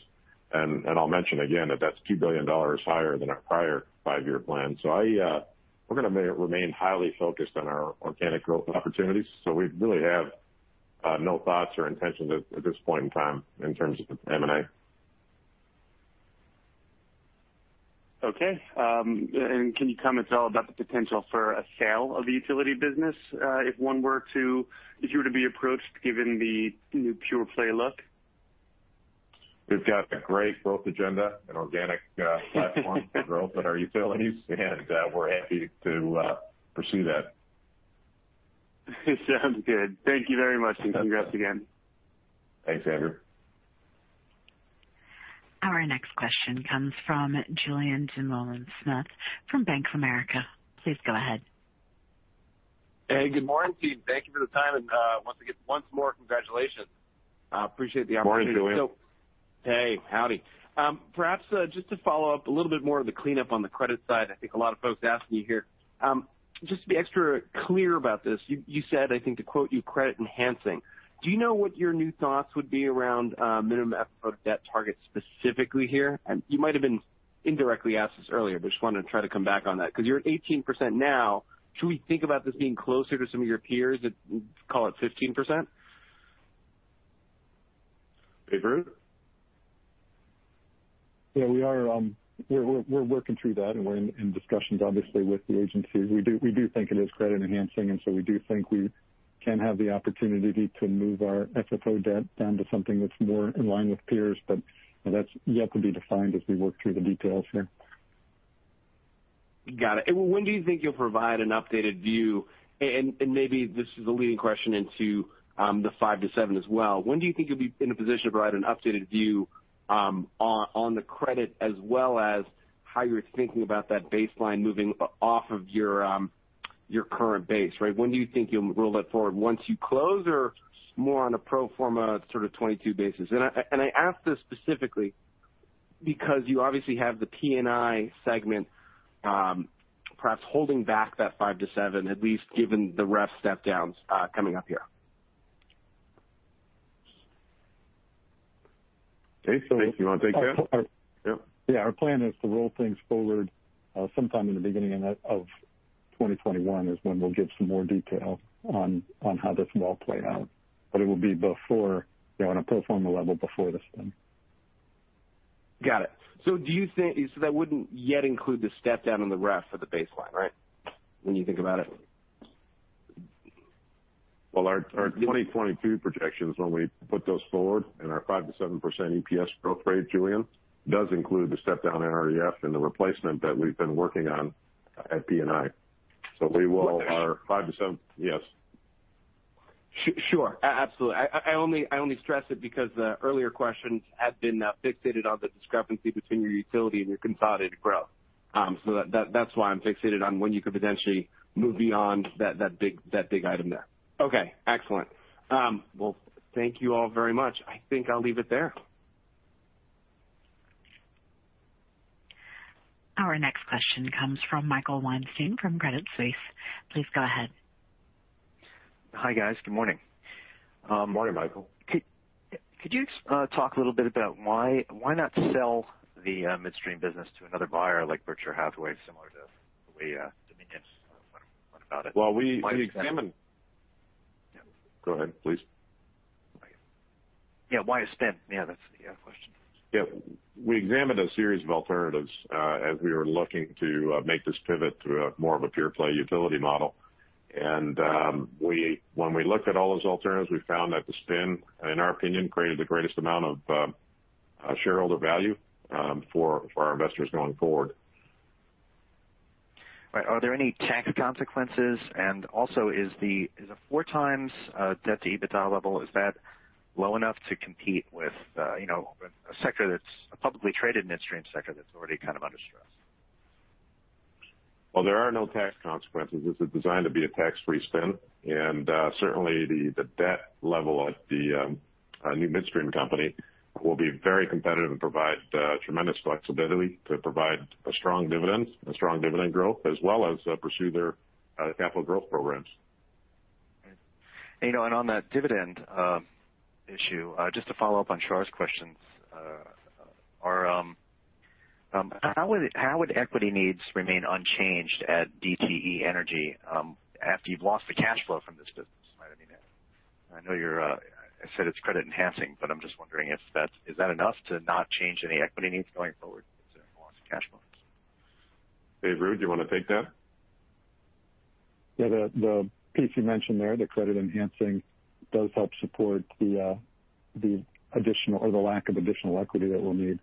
I'll mention again that that's $2 billion higher than our prior five-year plan. We're going to remain highly focused on our organic growth opportunities. We really have no thoughts or intentions at this point in time in terms of M&A. Okay. Can you comment at all about the potential for a sale of the utility business if you were to be approached given the new pure-play look? We've got a great growth agenda, an organic platform for growth at our utilities, and we're happy to pursue that. Sounds good. Thank you very much, and congrats again. Thanks, Andrew. Our next question comes from Julien Dumoulin-Smith from Bank of America. Please go ahead. Hey, good morning, team. Thank you for the time, and once more, congratulations. Appreciate the opportunity. Morning, Julien. Hey. Howdy. Perhaps just to follow up a little bit more of the cleanup on the credit side. I think a lot of folks are asking you here. Just to be extra clear about this, you said, I think to quote you, "credit enhancing." Do you know what your new thoughts would be around minimum FFO debt target specifically here? You might have been indirectly asked this earlier, but I just wanted to try to come back on that because you're at 18% now. Should we think about this being closer to some of your peers at, call it, 15%? Dave Ruud? Yeah. We're working through that, and we're in discussions, obviously, with the agencies. We do think it is credit enhancing, and so we do think we can have the opportunity to move our FFO debt down to something that's more in line with peers. That's yet to be defined as we work through the details here. Got it. When do you think you'll provide an updated view? Maybe this is a leading question into the 5-7 as well. When do you think you'll be in a position to provide an updated view on the credit as well as how you're thinking about that baseline moving off of your current base, right? When do you think you'll roll that forward? Once you close or more on a pro forma sort of 2022 basis? I ask this specifically because you obviously have the P&I segment perhaps holding back that 5-7 at least given the REF step-downs coming up here. Dave, you want to take that? Yep. Our plan is to roll things forward, sometime in the beginning of 2021 is when we'll give some more detail on how this will all play out. It will be on a pro forma level before the spin. Got it. That wouldn't yet include the step-down in the REF for the baseline, right? When you think about it. Well, our 2022 projections, when we put those forward and our 5%-7% EPS growth rate, Julien, does include the step-down in our REF and the replacement that we've been working on at P&I. Potentially. Our five to seven-- Yes. Sure, absolutely. I only stress it because the earlier questions had been fixated on the discrepancy between your utility and your consolidated growth. That's why I'm fixated on when you could potentially move beyond that big item there. Okay. Excellent. Well, thank you all very much. I think I'll leave it there. Our next question comes from Michael Weinstein from Credit Suisse. Please go ahead. Hi, guys. Good morning. Morning, Michael. Could you talk a little bit about why not sell the midstream business to another buyer like Berkshire Hathaway, similar to the way Dominion went about it? Well, go ahead, please. Yeah. Why a spin? Yeah, that's the question. Yeah. We examined a series of alternatives as we were looking to make this pivot to more of a pure-play utility model. When we looked at all those alternatives, we found that the spin, in our opinion, created the greatest amount of shareholder value for our investors going forward. Right. Are there any tax consequences? Is a 4x debt to EBITDA level, is that low enough to compete with a sector that's a publicly traded midstream sector that's already kind of under stress? Well, there are no tax consequences. Certainly the debt level at the new midstream company will be very competitive and provide tremendous flexibility to provide a strong dividend, a strong dividend growth, as well as pursue their capital growth programs. On that dividend issue, just to follow up on Shar's questions, how would equity needs remain unchanged at DTE Energy after you've lost the cash flow from this business? I know you said it's credit enhancing, but I'm just wondering is that enough to not change any equity needs going forward considering the loss of cash flows? Dave Ruud, do you want to take that? The piece you mentioned there, the credit enhancing, does help support the lack of additional equity that we'll need.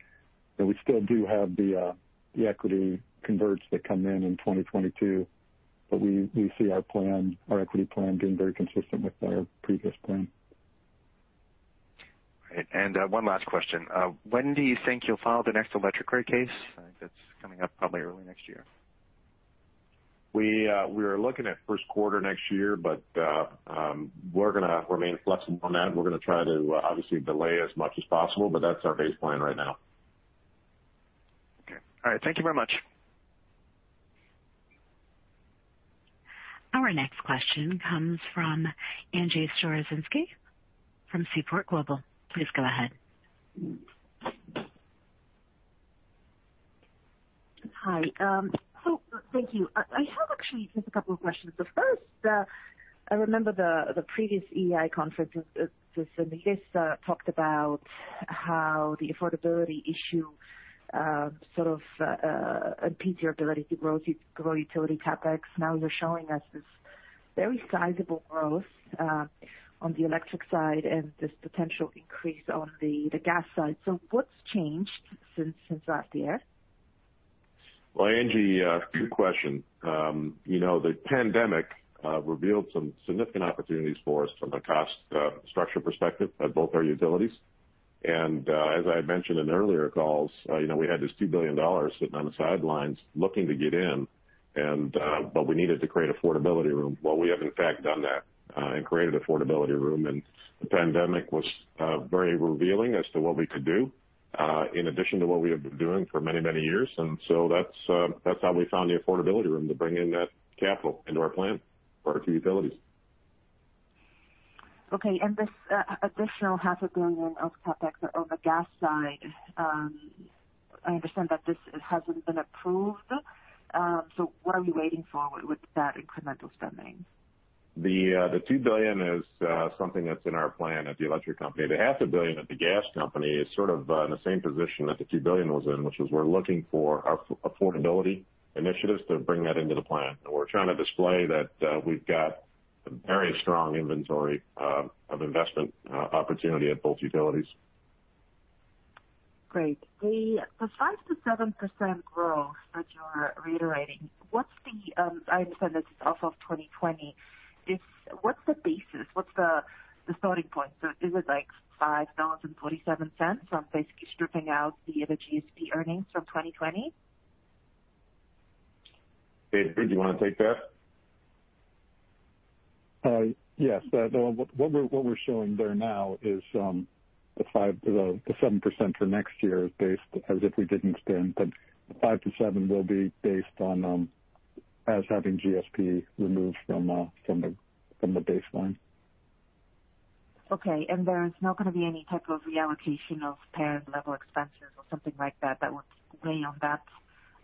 We still do have the equity converts that come in in 2022. We see our equity plan being very consistent with our previous plan. Great. One last question. When do you think you'll file the next electric rate case? I think that's coming up probably early next year. We are looking at first quarter next year. We're going to remain flexible on that, and we're going to try to obviously delay as much as possible, but that's our base plan right now. Okay. All right. Thank you very much. Our next question comes from Angie Storozynski from Seaport Global. Please go ahead. Hi. Thank you. I have actually just a couple of questions. The first, I remember the previous EEI conference, where someone talked about how the affordability issue sort of impedes your ability to grow utility CapEx. Now you're showing us this very sizable growth on the electric side and this potential increase on the gas side. What's changed since last year? Angie, two questions. The pandemic revealed some significant opportunities for us from a cost structure perspective at both our utilities. As I had mentioned in earlier calls, we had this $2 billion sitting on the sidelines looking to get in, but we needed to create affordability room. We have in fact done that and created affordability room. The pandemic was very revealing as to what we could do, in addition to what we have been doing for many years. That's how we found the affordability room to bring in that capital into our plan for our two utilities. Okay. This additional half a billion of CapEx on the gas side, I understand that this hasn't been approved. What are we waiting for with that incremental spending? The $2 billion is something that's in our plan at the Electric Company. The half a billion dollars at the Gas Company is sort of in the same position that the $2 billion was in, which is we're looking for affordability initiatives to bring that into the plan. We're trying to display that we've got a very strong inventory of investment opportunity at both utilities. Great. The 5%-7% growth that you're reiterating, I understand this is off of 2020. What's the basis? What's the starting point? Is it like $5.47 from basically stripping out the GSP earnings from 2020? David, do you want to take that? Yes. What we're showing there now is the 7% for next year is based as if we didn't spin, but the 5%-7% will be based on as having GSP removed from the baseline. Okay. There is not going to be any type of reallocation of parent-level expenses or something like that would weigh on that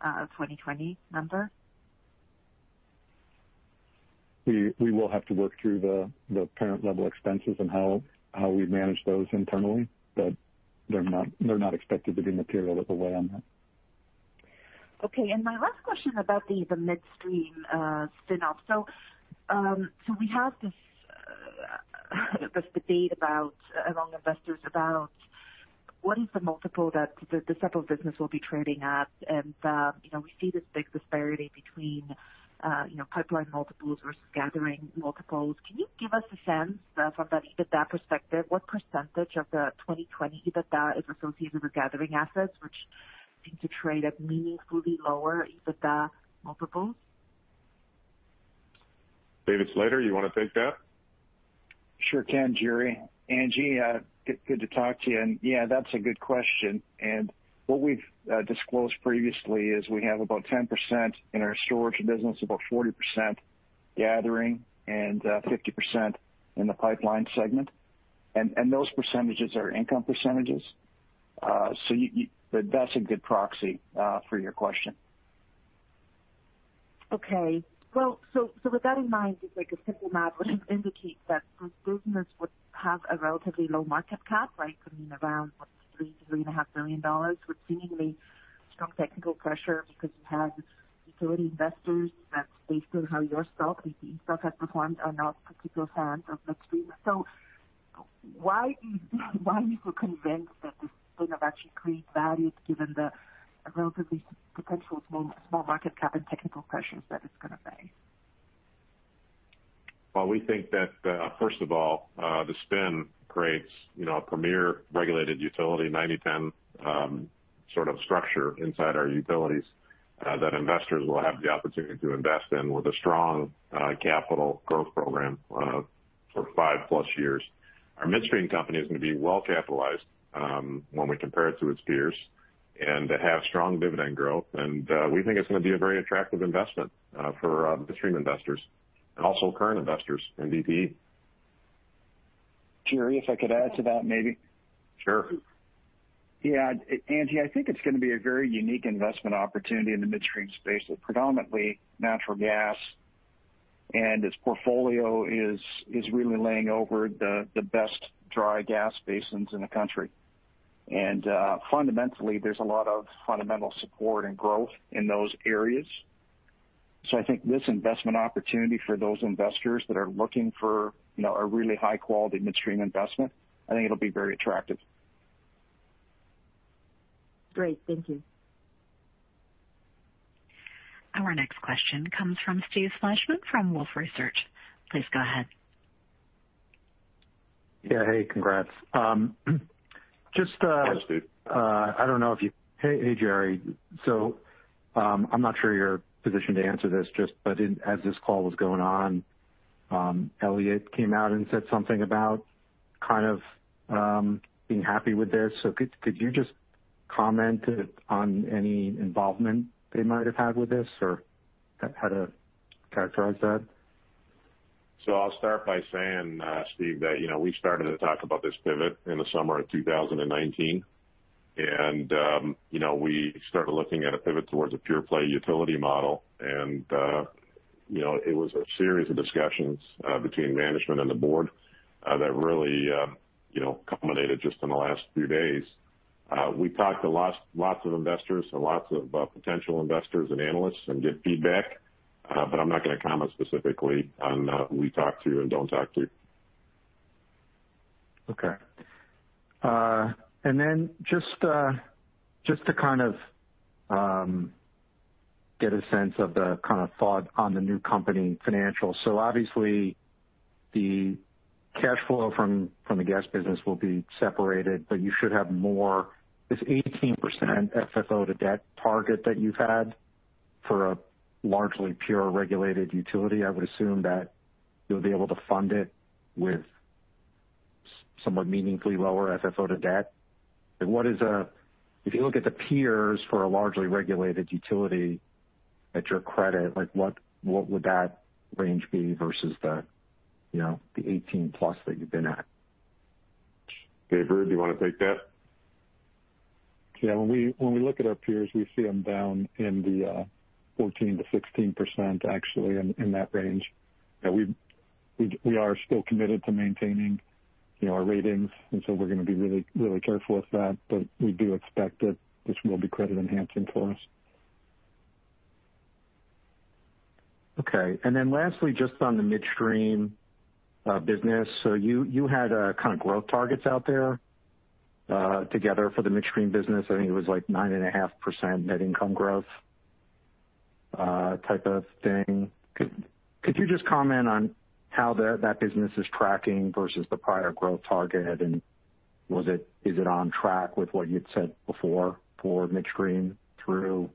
2020 number? We will have to work through the parent-level expenses and how we manage those internally, but they're not expected to be material as a weigh-in. My last question about the Midstream spin-off. We have this debate among investors about what is the multiple that the separate business will be trading at, and we see this big disparity between pipeline multiples versus gathering multiples. Can you give us a sense from that EBITDA perspective, what % of the 2020 EBITDA is associated with gathering assets, which seem to trade at meaningfully lower EBITDA multiples? David Slater, you want to take that? Sure can, Jerry. Angie, good to talk to you. Yeah, that's a good question. What we've disclosed previously is we have about 10% in our storage business, about 40% gathering, and 50% in the pipeline segment. Those percentages are income percentages. That's a good proxy for your question. Okay. Well, with that in mind, just like a simple math, which indicates that this business would have a relatively low market cap, right? Could mean around, what, $3 billion-$3.5 billion with seemingly strong technical pressure because you have utility investors that, based on how your stock and DTE stock has performed, are not particular fans of midstream. Why are you convinced that this spin-off actually creates value given the relatively potential small market cap and technical pressures that it's going to face? Well, we think that, first of all, the spin creates a premier regulated utility, 90/10 sort of structure inside our utilities, that investors will have the opportunity to invest in with a strong capital growth program for 5+ years. Our midstream company is going to be well-capitalized when we compare it to its peers and have strong dividend growth. We think it's going to be a very attractive investment for midstream investors and also current investors in DTE. Jerry, if I could add to that, maybe. Sure. Yeah. Angie, I think it's going to be a very unique investment opportunity in the midstream space. It's predominantly natural gas, and its portfolio is really laying over the best dry gas basins in the country. Fundamentally, there's a lot of fundamental support and growth in those areas. I think this investment opportunity for those investors that are looking for a really high-quality midstream investment, I think it'll be very attractive. Great. Thank you. Our next question comes from Steve Fleishman from Wolfe Research. Please go ahead. Yeah. Hey. Congrats. Thanks, Steve. Hey, Jerry. I'm not sure you're positioned to answer this, but as this call was going on, Elliott came out and said something about kind of being happy with this. Could you just comment on any involvement they might have had with this, or how to characterize that? I'll start by saying, Steve, that we started to talk about this pivot in the summer of 2019. We started looking at a pivot towards a pure play utility model. It was a series of discussions between management and the board that really culminated just in the last few days. We talked to lots of investors and lots of potential investors and analysts and get feedback. I'm not going to comment specifically on who we talk to and don't talk to. Okay. Just to kind of get a sense of the kind of thought on the new company financials. Obviously, the cash flow from the gas business will be separated, but you should have more. This 18% FFO to debt target that you've had for a largely pure regulated utility, I would assume that you'll be able to fund it with somewhat meaningfully lower FFO to debt. If you look at the peers for a largely regulated utility at your credit, what would that range be versus the 18 plus that you've been at? Dave Ruud, do you want to take that? Yeah. When we look at our peers, we see them down in the 14%-16%, actually in that range. We are still committed to maintaining our ratings. We're going to be really careful with that. We do expect that this will be credit enhancing for us. Okay. Lastly, just on the midstream business. You had kind of growth targets out there together for the midstream business. I think it was like 9.5% net income growth type of thing. Could you just comment on how that business is tracking versus the prior growth target? Is it on track with what you'd said before for midstream through,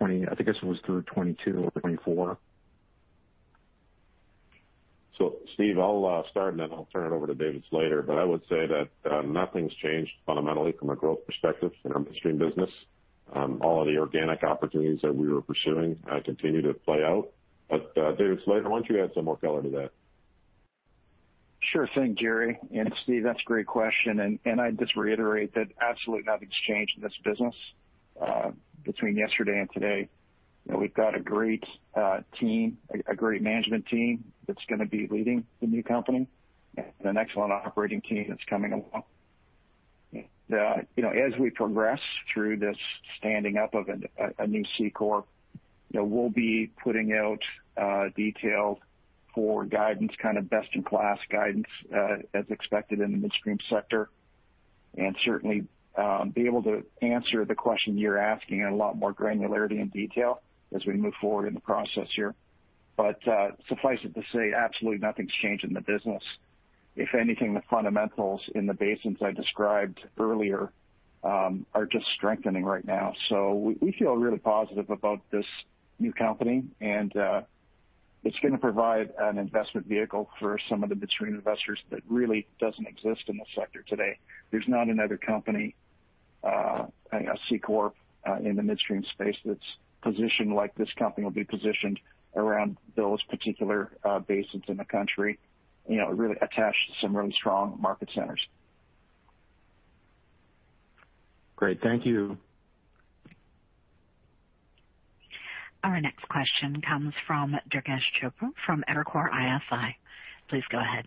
I think this was through 2022 or 2024? Steve, I'll start and then I'll turn it over to David Slater. I would say that nothing's changed fundamentally from a growth perspective in our midstream business. All of the organic opportunities that we were pursuing continue to play out. David, later, why don't you add some more color to that? Sure thing, Jerry. Steve, that's a great question, and I'd just reiterate that absolutely nothing's changed in this business between yesterday and today. We've got a great management team that's going to be leading the new company and an excellent operating team that's coming along. As we progress through this standing up of a new C-corp, we'll be putting out detail for guidance, kind of best-in-class guidance, as expected in the midstream sector, and certainly be able to answer the question you're asking in a lot more granularity and detail as we move forward in the process here. Suffice it to say, absolutely nothing's changed in the business. If anything, the fundamentals in the basins I described earlier are just strengthening right now. We feel really positive about this new company, and it's going to provide an investment vehicle for some of the midstream investors that really doesn't exist in the sector today. There's not another company, a C-corp, in the midstream space that's positioned like this company will be positioned around those particular basins in the country, really attached to some really strong market centers. Great. Thank you. Our next question comes from Durgesh Chopra from Evercore ISI. Please go ahead.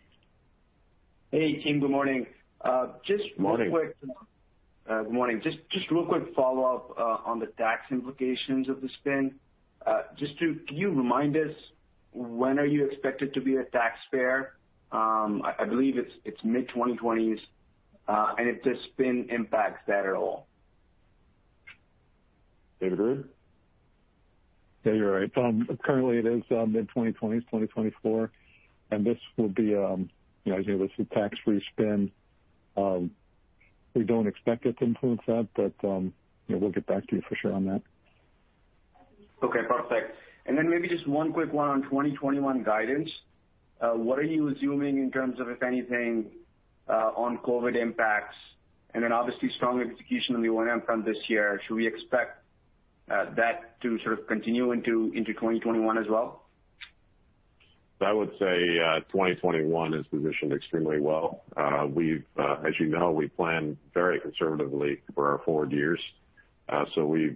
Hey, team. Good morning. Morning. Good morning. Just real quick follow-up on the tax implications of the spin. Can you remind us, when are you expected to be a taxpayer? I believe it's mid-2020s. If this spin impacts that at all? David Ruud? Yeah, you're right. Currently it is mid-2020s, 2024. This will be, as you know, this is a tax-free spin. We don't expect it to influence that, we'll get back to you for sure on that. Okay, perfect. Maybe just one quick one on 2021 guidance. What are you assuming in terms of, if anything on COVID impacts and then obviously strong execution on the one end from this year. Should we expect that to sort of continue into 2021 as well? I would say 2021 is positioned extremely well. As you know, we plan very conservatively for our forward years. We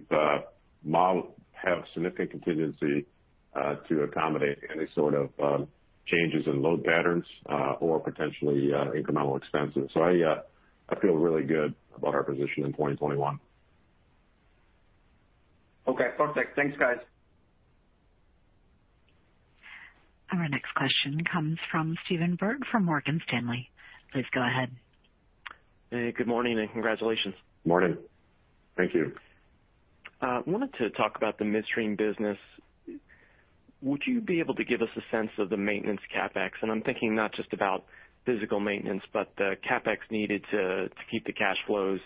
have significant contingency to accommodate any sort of changes in load patterns or potentially incremental expenses. I feel really good about our position in 2021. Okay, perfect. Thanks, guys. Our next question comes from Stephen Byrd from Morgan Stanley. Please go ahead. Hey, good morning and congratulations. Morning. Thank you. I wanted to talk about the midstream business. Would you be able to give us a sense of the maintenance CapEx? I'm thinking not just about physical maintenance, but the CapEx needed to keep the cash flows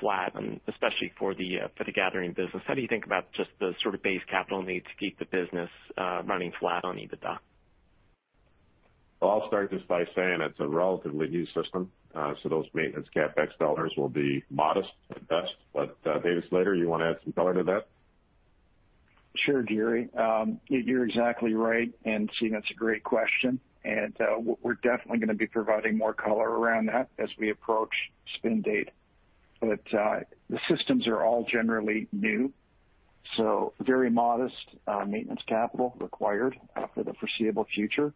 flat, and especially for the gathering business. How do you think about just the sort of base capital need to keep the business running flat on EBITDA? Well, I'll start just by saying it's a relatively new system. Those maintenance CapEx dollars will be modest at best. David Slater, you want to add some color to that? Sure, Jerry. You're exactly right, Stephen, it's a great question. We're definitely going to be providing more color around that as we approach spin date. The systems are all generally new, so very modest maintenance capital required for the foreseeable future.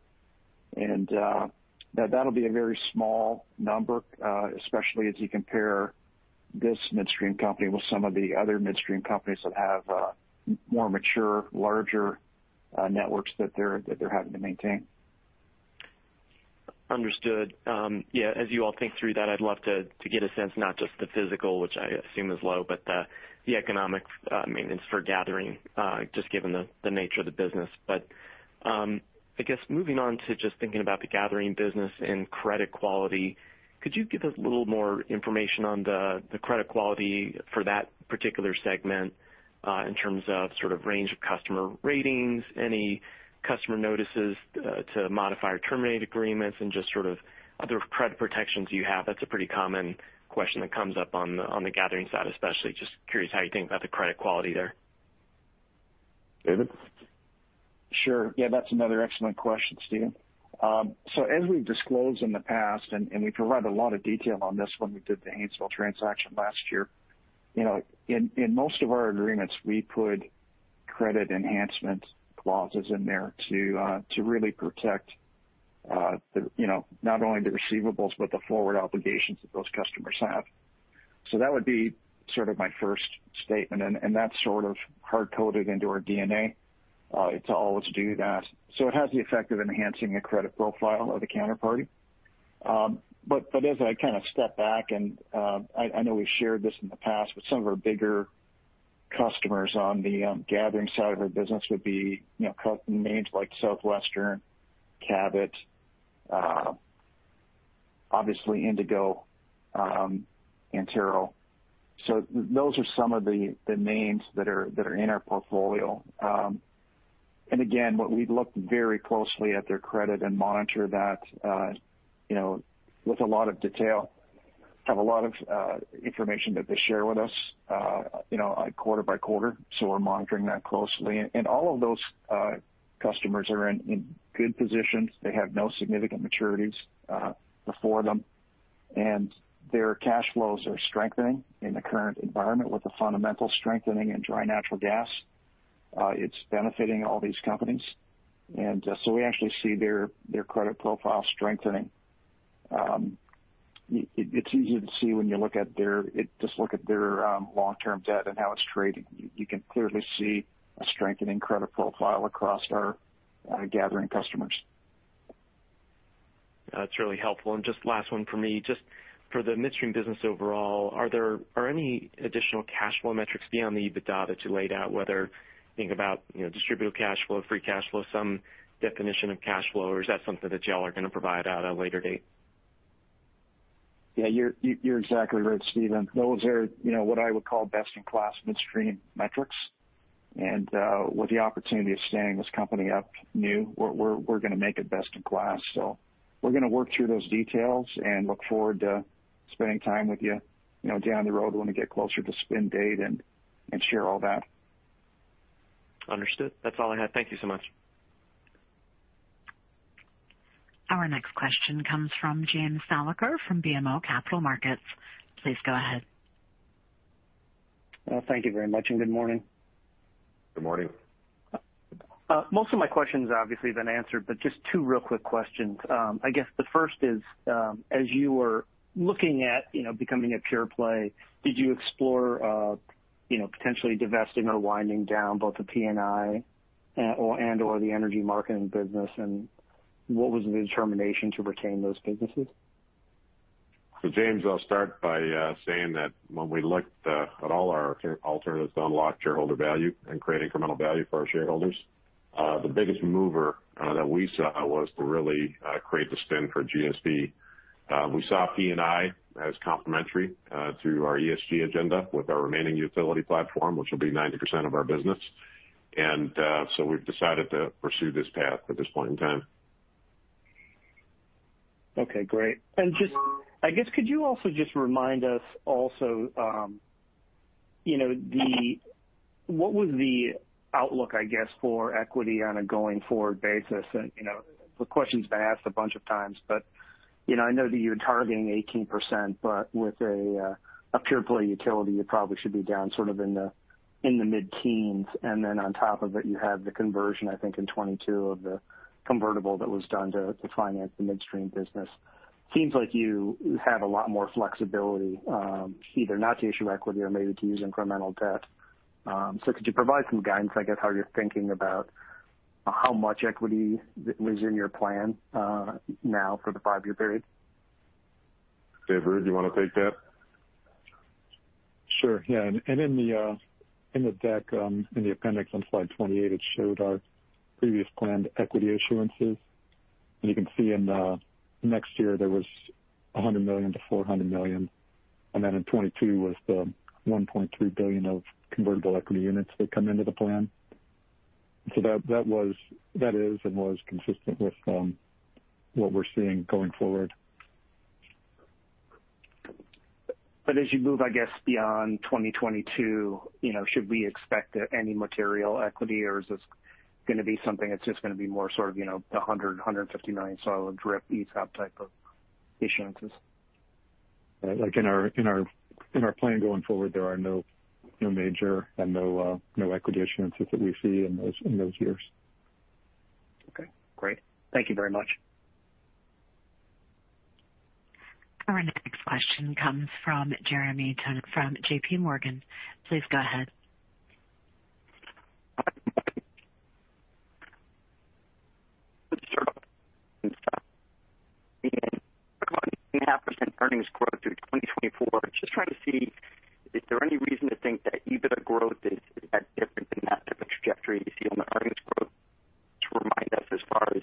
That'll be a very small number, especially as you compare this midstream company with some of the other midstream companies that have more mature, larger networks that they're having to maintain. Understood. Yeah, as you all think through that, I'd love to get a sense, not just the physical, which I assume is low, but the economic maintenance for gathering, just given the nature of the business. I guess moving on to just thinking about the gathering business and credit quality, could you give us a little more information on the credit quality for that particular segment in terms of range of customer ratings, any customer notices to modify or terminate agreements, and just sort of other credit protections you have? That's a pretty common question that comes up on the gathering side, especially. Just curious how you think about the credit quality there. David? Sure. Yeah, that's another excellent question, Stephen. As we've disclosed in the past, and we provided a lot of detail on this when we did the Haynesville transaction last year. In most of our agreements, we put credit enhancement clauses in there to really protect not only the receivables, but the forward obligations that those customers have. That would be sort of my first statement, and that's sort of hard-coded into our DNA to always do that. It has the effect of enhancing the credit profile of the counterparty. As I kind of step back, and I know we've shared this in the past, but some of our bigger customers on the gathering side of our business would be names like Southwestern, Cabot, obviously Indigo, Antero. Those are some of the names that are in our portfolio. Again, we look very closely at their credit and monitor that with a lot of detail, have a lot of information that they share with us quarter by quarter. We're monitoring that closely. All of those customers are in good positions. They have no significant maturities before them, and their cash flows are strengthening in the current environment with the fundamental strengthening in dry natural gas. It's benefiting all these companies. We actually see their credit profile strengthening. It's easy to see when you just look at their long-term debt and how it's trading. You can clearly see a strengthening credit profile across our gathering customers. That's really helpful. Just last one from me, just for the midstream business overall, are there any additional cash flow metrics beyond the EBITDA that you laid out, whether you think about distributed cash flow, free cash flow, some definition of cash flow, or is that something that you all are going to provide at a later date? Yeah, you're exactly right, Stephen. Those are what I would call best-in-class midstream metrics. With the opportunity of standing this company up new, we're going to make it best in class. We're going to work through those details and look forward to spending time with you down the road when we get closer to spin date and share all that. Understood. That's all I had. Thank you so much. Our next question comes from James Thalacker from BMO Capital Markets. Please go ahead. Well, thank you very much, and good morning. Good morning. Most of my questions obviously have been answered. Just two real quick questions. I guess the first is, as you were looking at becoming a pure play, did you explore potentially divesting or winding down both the P&I and/or the energy marketing business, and what was the determination to retain those businesses? James, I'll start by saying that when we looked at all our alternatives to unlock shareholder value and create incremental value for our shareholders, the biggest mover that we saw was to really create the spin for GSP. We saw P&I as complementary to our ESG agenda with our remaining utility platform, which will be 90% of our business. We've decided to pursue this path at this point in time. Okay, great. Could you remind us what was the outlook for equity on a going-forward basis? The question's been asked a bunch of times, but I know that you're targeting 18%, but with a pure play utility, you probably should be down sort of in the mid-teens. On top of it, you have the conversion in 2022 of the convertible that was done to finance the midstream business. Seems like you have a lot more flexibility, either not to issue equity or maybe to use incremental debt. Could you provide some guidance how you're thinking about how much equity was in your plan now for the five-year period? Dave Ruud, do you want to take that? Sure. In the deck, in the appendix on slide 28, it showed our previous planned equity issuances. You can see in next year, there was $100 million-$400 million, then in 2022 was the $1.3 billion of convertible equity units that come into the plan. That is and was consistent with what we're seeing going forward. As you move, I guess, beyond 2022, should we expect any material equity, or is this going to be something that's just going to be more the $100 million, $150 million sort of drip ATM type of issuances? In our plan going forward, there are no major and no equity issuances that we see in those years. Okay, great. Thank you very much. Our next question comes from Jeremy Tonet from JPMorgan. Please go ahead. Just sort of talk about 18.5% earnings growth through 2024. Just trying to see, is there any reason to think that EBITDA growth is that different than that type of trajectory you see on the earnings growth? Just remind us as far as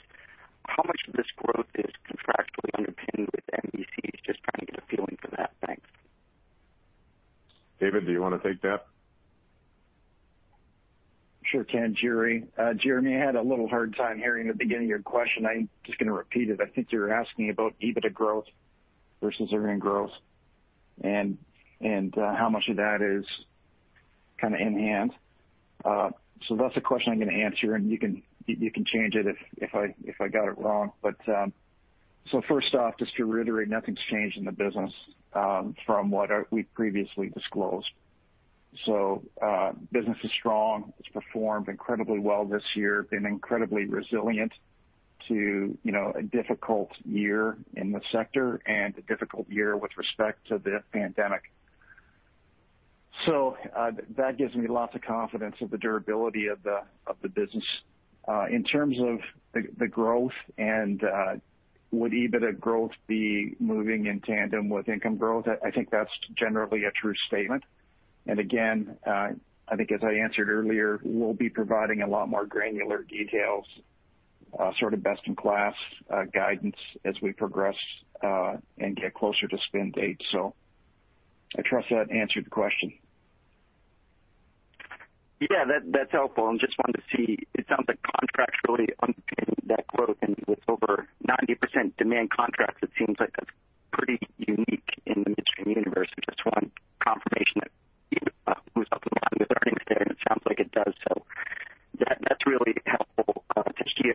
how much of this growth is contractually underpinned with MVCs. Just trying to get a feeling for that. Thanks. David, do you want to take that? Sure can, Jeremy. Jeremy, I had a little hard time hearing the beginning of your question. I'm just going to repeat it. I think you were asking about EBITDA growth versus earnings growth and how much of that is kind of in-hand. That's the question I'm going to answer, and you can change it if I got it wrong. First off, just to reiterate, nothing's changed in the business from what we previously disclosed. Business is strong. It's performed incredibly well this year, been incredibly resilient to a difficult year in the sector and a difficult year with respect to the pandemic. That gives me lots of confidence in the durability of the business. In terms of the growth and would EBITDA growth be moving in tandem with income growth? I think that's generally a true statement. Again, I think as I answered earlier, we'll be providing a lot more granular details, sort of best-in-class guidance as we progress and get closer to spin date. I trust that answered the question. Yeah, that's helpful. Just wanted to see, it sounds like contracts really underpinning that growth and with over 90% demand contracts, it seems like that's pretty unique in the midstream universe. I just want confirmation that EBITDA moves up along with earnings there, and it sounds like it does, so that's really helpful to hear.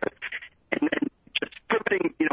Just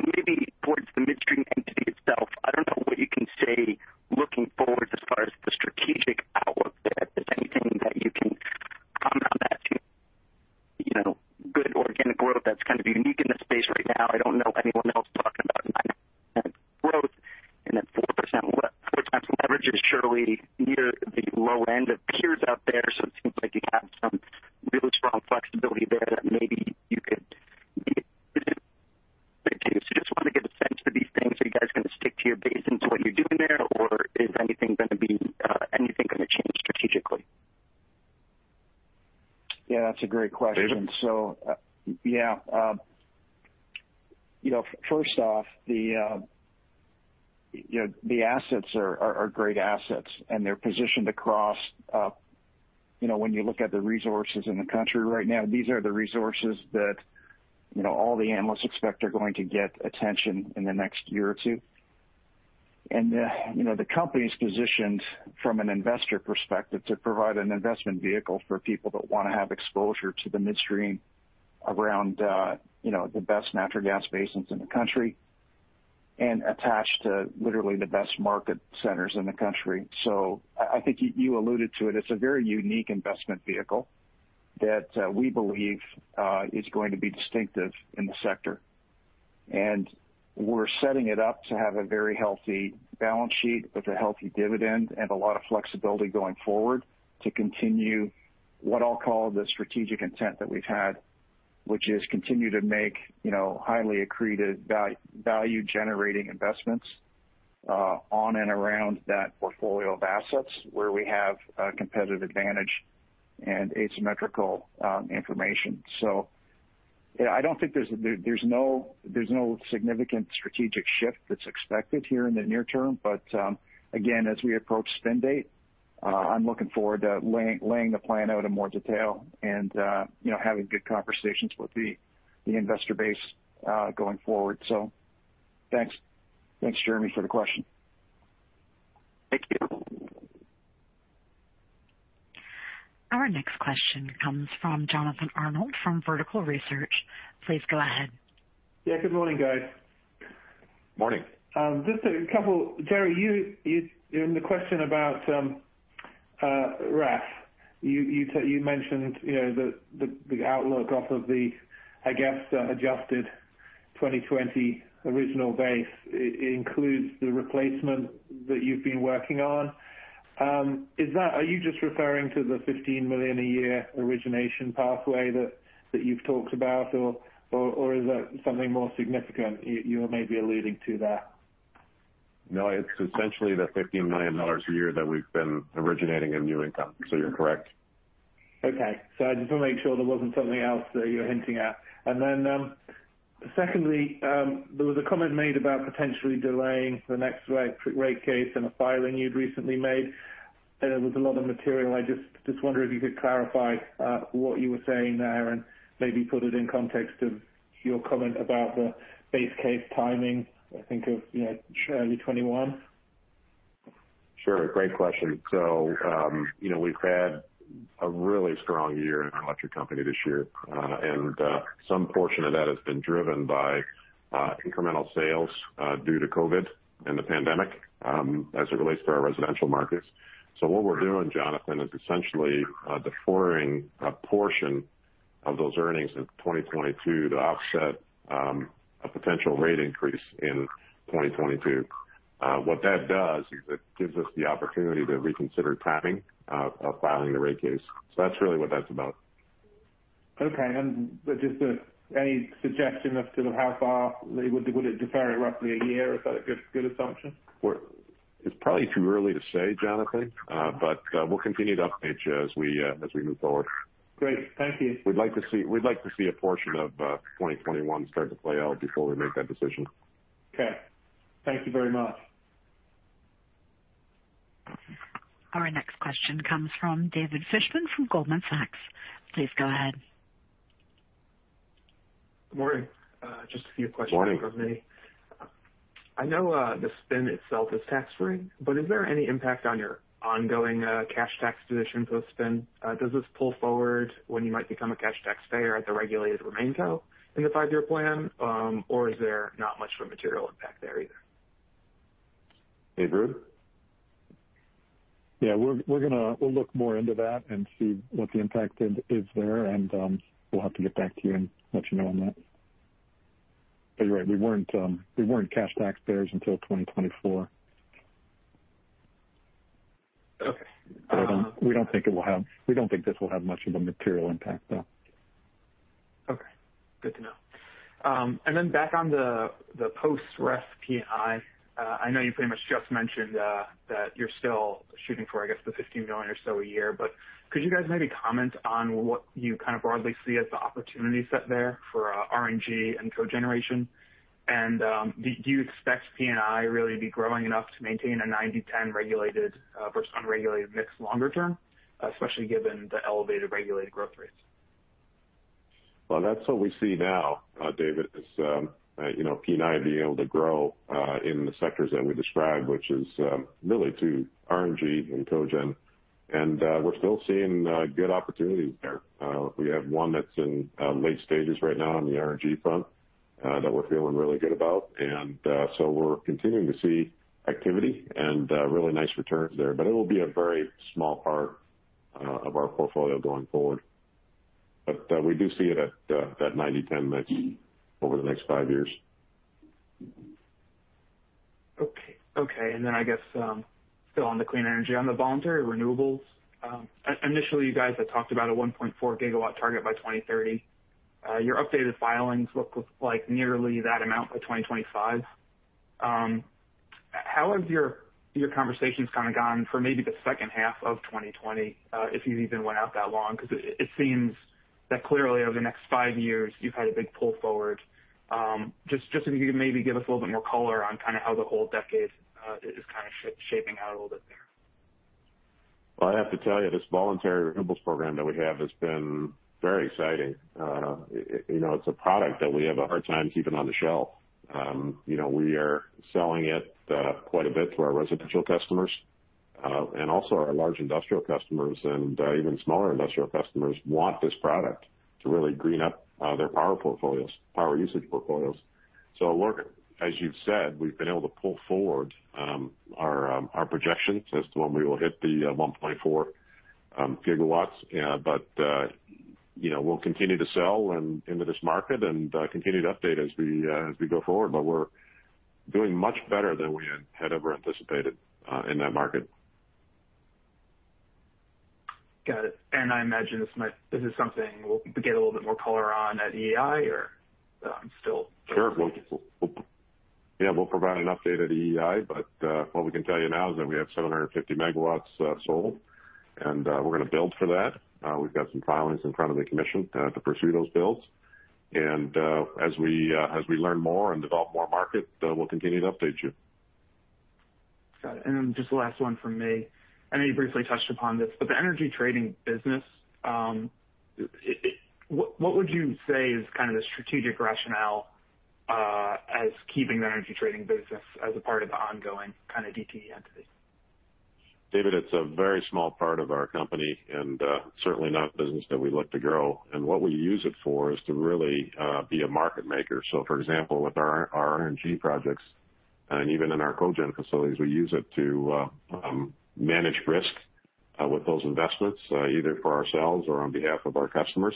from an investor perspective to provide an investment vehicle for people that want to have exposure to the midstream around the best natural gas basins in the country and attached to literally the best market centers in the country. I think you alluded to it. It's a very unique investment vehicle that we believe is going to be distinctive in the sector. We're setting it up to have a very healthy balance sheet with a healthy dividend and a lot of flexibility going forward to continue what I'll call the strategic intent that we've had. Continue to make highly accretive, value-generating investments on and around that portfolio of assets where we have a competitive advantage and asymmetrical information. I don't think there's no significant strategic shift that's expected here in the near term. Again, as we approach spin date, I'm looking forward to laying the plan out in more detail and having good conversations with the investor base going forward. Thanks. Thanks, Jeremy, for the question. Thank you. Our next question comes from Jonathan Arnold from Vertical Research. Please go ahead. Yeah, good morning, guys. Morning. Just a couple. Jerry, in the question about REF, you mentioned the outlook off of the, I guess, adjusted 2020 original base. It includes the replacement that you've been working on. Are you just referring to the $15 million a year origination pathway that you've talked about, or is that something more significant you may be alluding to there? No, it's essentially the $15 million a year that we've been originating in new income. You're correct. Okay. I just wanted make sure there wasn't something else that you were hinting at. Secondly, there was a comment made about potentially delaying the next rate case and a filing you'd recently made. There was a lot of material. I just wonder if you could clarify what you were saying there and maybe put it in context of your comment about the base case timing, I think of early 2021. Sure. Great question. We've had a really strong year in our Electric Company this year. Some portion of that has been driven by incremental sales due to COVID-19 and the pandemic as it relates to our residential markets. What we're doing, Jonathan, is essentially deferring a portion of those earnings in 2022 to offset a potential rate increase in 2022. What that does is it gives us the opportunity to reconsider timing of filing the rate case. That's really what that's about. Okay. Just any suggestion as to how far? Would it defer it roughly a year? Is that a good assumption? Well, it's probably too early to say, Jonathan. We'll continue to update you as we move forward. Great. Thank you. We'd like to see a portion of 2021 start to play out before we make that decision. Okay. Thank you very much. Our next question comes from David Fishman from Goldman Sachs. Please go ahead. Good morning. Just a few questions. Morning from me. I know the spin itself is tax-free, but is there any impact on your ongoing cash tax position post-spin? Does this pull forward when you might become a cash tax payer at the regulated RemainCo in the five-year plan? Is there not much of a material impact there either? Dave Ruud? Yeah, we'll look more into that and see what the impact is there and we'll have to get back to you and let you know on that. You're right, we weren't cash taxpayers until 2024. Okay. We don't think this will have much of a material impact, though. Okay. Good to know. Back on the post REF P&I. I know you pretty much just mentioned that you're still shooting for, I guess, the $15 million or so a year, could you guys maybe comment on what you kind of broadly see as the opportunity set there for RNG and cogeneration? Do you expect P&I really to be growing enough to maintain a 90/10 regulated versus unregulated mix longer term, especially given the elevated regulated growth rates? Well, that's what we see now, David, is P&I being able to grow, in the sectors that we described, which is really to RNG and cogen. We're still seeing good opportunities there. We have one that's in late stages right now on the RNG front, that we're feeling really good about. We're continuing to see activity and really nice returns there, but it will be a very small part of our portfolio going forward. We do see it at that 90/10 mix over the next five years. Okay. I guess, still on the clean energy, on the voluntary renewables. Initially you guys had talked about a 1.4 gigawatt target by 2030. Your updated filings look like nearly that amount by 2025. How have your conversations kind of gone for maybe the second half of 2020, if you've even went out that long? Because it seems that clearly over the next five years, you've had a big pull forward. Just if you could maybe give us a little bit more color on kind of how the whole decade is kind of shaping out a little bit there. I have to tell you, this Voluntary Renewables Program that we have has been very exciting. It's a product that we have a hard time keeping on the shelf. We are selling it quite a bit to our residential customers, and also our large industrial customers and even smaller industrial customers want this product to really green up their power usage portfolios. Look, as you've said, we've been able to pull forward our projections as to when we will hit the 1.4 gigawatts. We'll continue to sell into this market and continue to update as we go forward. We're doing much better than we had ever anticipated in that market. Got it. I imagine this is something we'll get a little bit more color on at EEI. Sure. Yeah, we'll provide an update at EEI. What we can tell you now is that we have 750 megawatts sold, and we're going to build for that. We've got some filings in front of the commission to pursue those builds. As we learn more and develop more market, we'll continue to update you. Got it. Just the last one from me, I know you briefly touched upon this, but the energy trading business, what would you say is kind of the strategic rationale as keeping the energy trading business as a part of the ongoing kind of DTE entity? David, it's a very small part of our company and certainly not a business that we look to grow. What we use it for is to really be a market maker. For example, with our RNG projects and even in our cogen facilities, we use it to manage risk with those investments, either for ourselves or on behalf of our customers.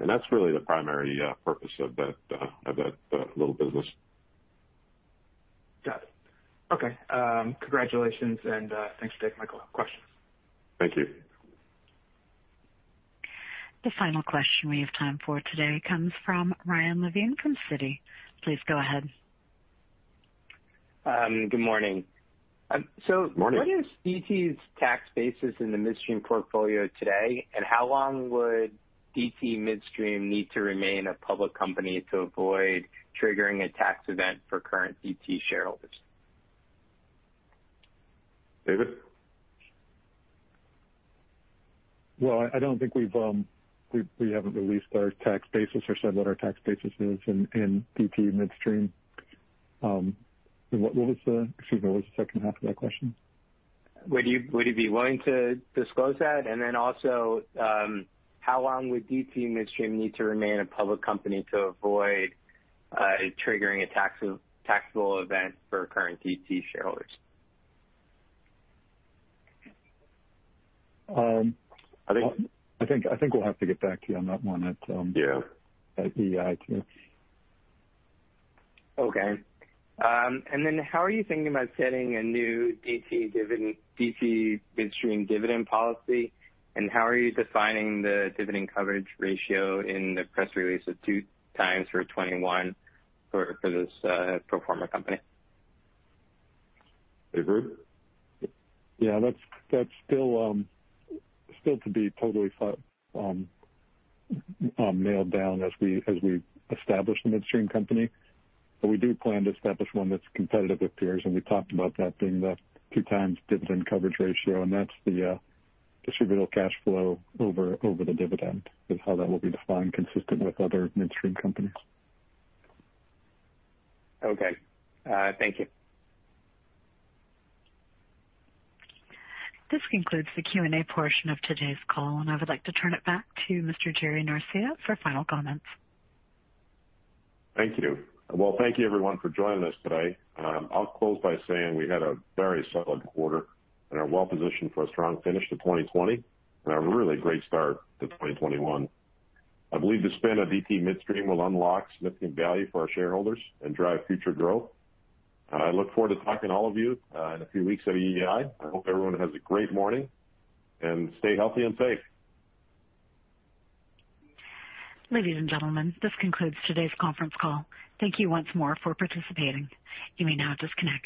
That's really the primary purpose of that little business. Got it. Okay. Congratulations, and thanks, Dave, Michael. No questions. Thank you. The final question we have time for today comes from Ryan Levine from Citi. Please go ahead. Good morning. Morning. What is DTE's tax basis in the Midstream portfolio today, and how long would DTE Midstream need to remain a public company to avoid triggering a tax event for current DTE shareholders? David? Well, I don't think we haven't released our tax basis or said what our tax basis is in DTE Midstream. Excuse me, what was the second half of that question? Would you be willing to disclose that? How long would DTE Midstream need to remain a public company to avoid triggering a taxable event for current DTE shareholders? I think we'll have to get back to you on that one. Yeah at EEI too. Okay. How are you thinking about setting a new DTE Midstream dividend policy, and how are you defining the dividend coverage ratio in the press release of two times for 2021 for this pro forma company? Dave Ruud? Yeah, that's still to be totally nailed down as we establish the midstream company. We do plan to establish one that's competitive with peers, and we talked about that being the two times dividend coverage ratio, and that's the distributable cash flow over the dividend is how that will be defined consistent with other midstream companies. Okay. Thank you. This concludes the Q&A portion of today's call, and I would like to turn it back to Mr. Jerry Norcia for final comments. Thank you. Well, thank you everyone for joining us today. I'll close by saying we had a very solid quarter and are well-positioned for a strong finish to 2020 and a really great start to 2021. I believe the spin of DTE Midstream will unlock significant value for our shareholders and drive future growth. I look forward to talking to all of you in a few weeks at EEI. I hope everyone has a great morning, and stay healthy and safe. Ladies and gentlemen, this concludes today's conference call. Thank you once more for participating. You may now disconnect.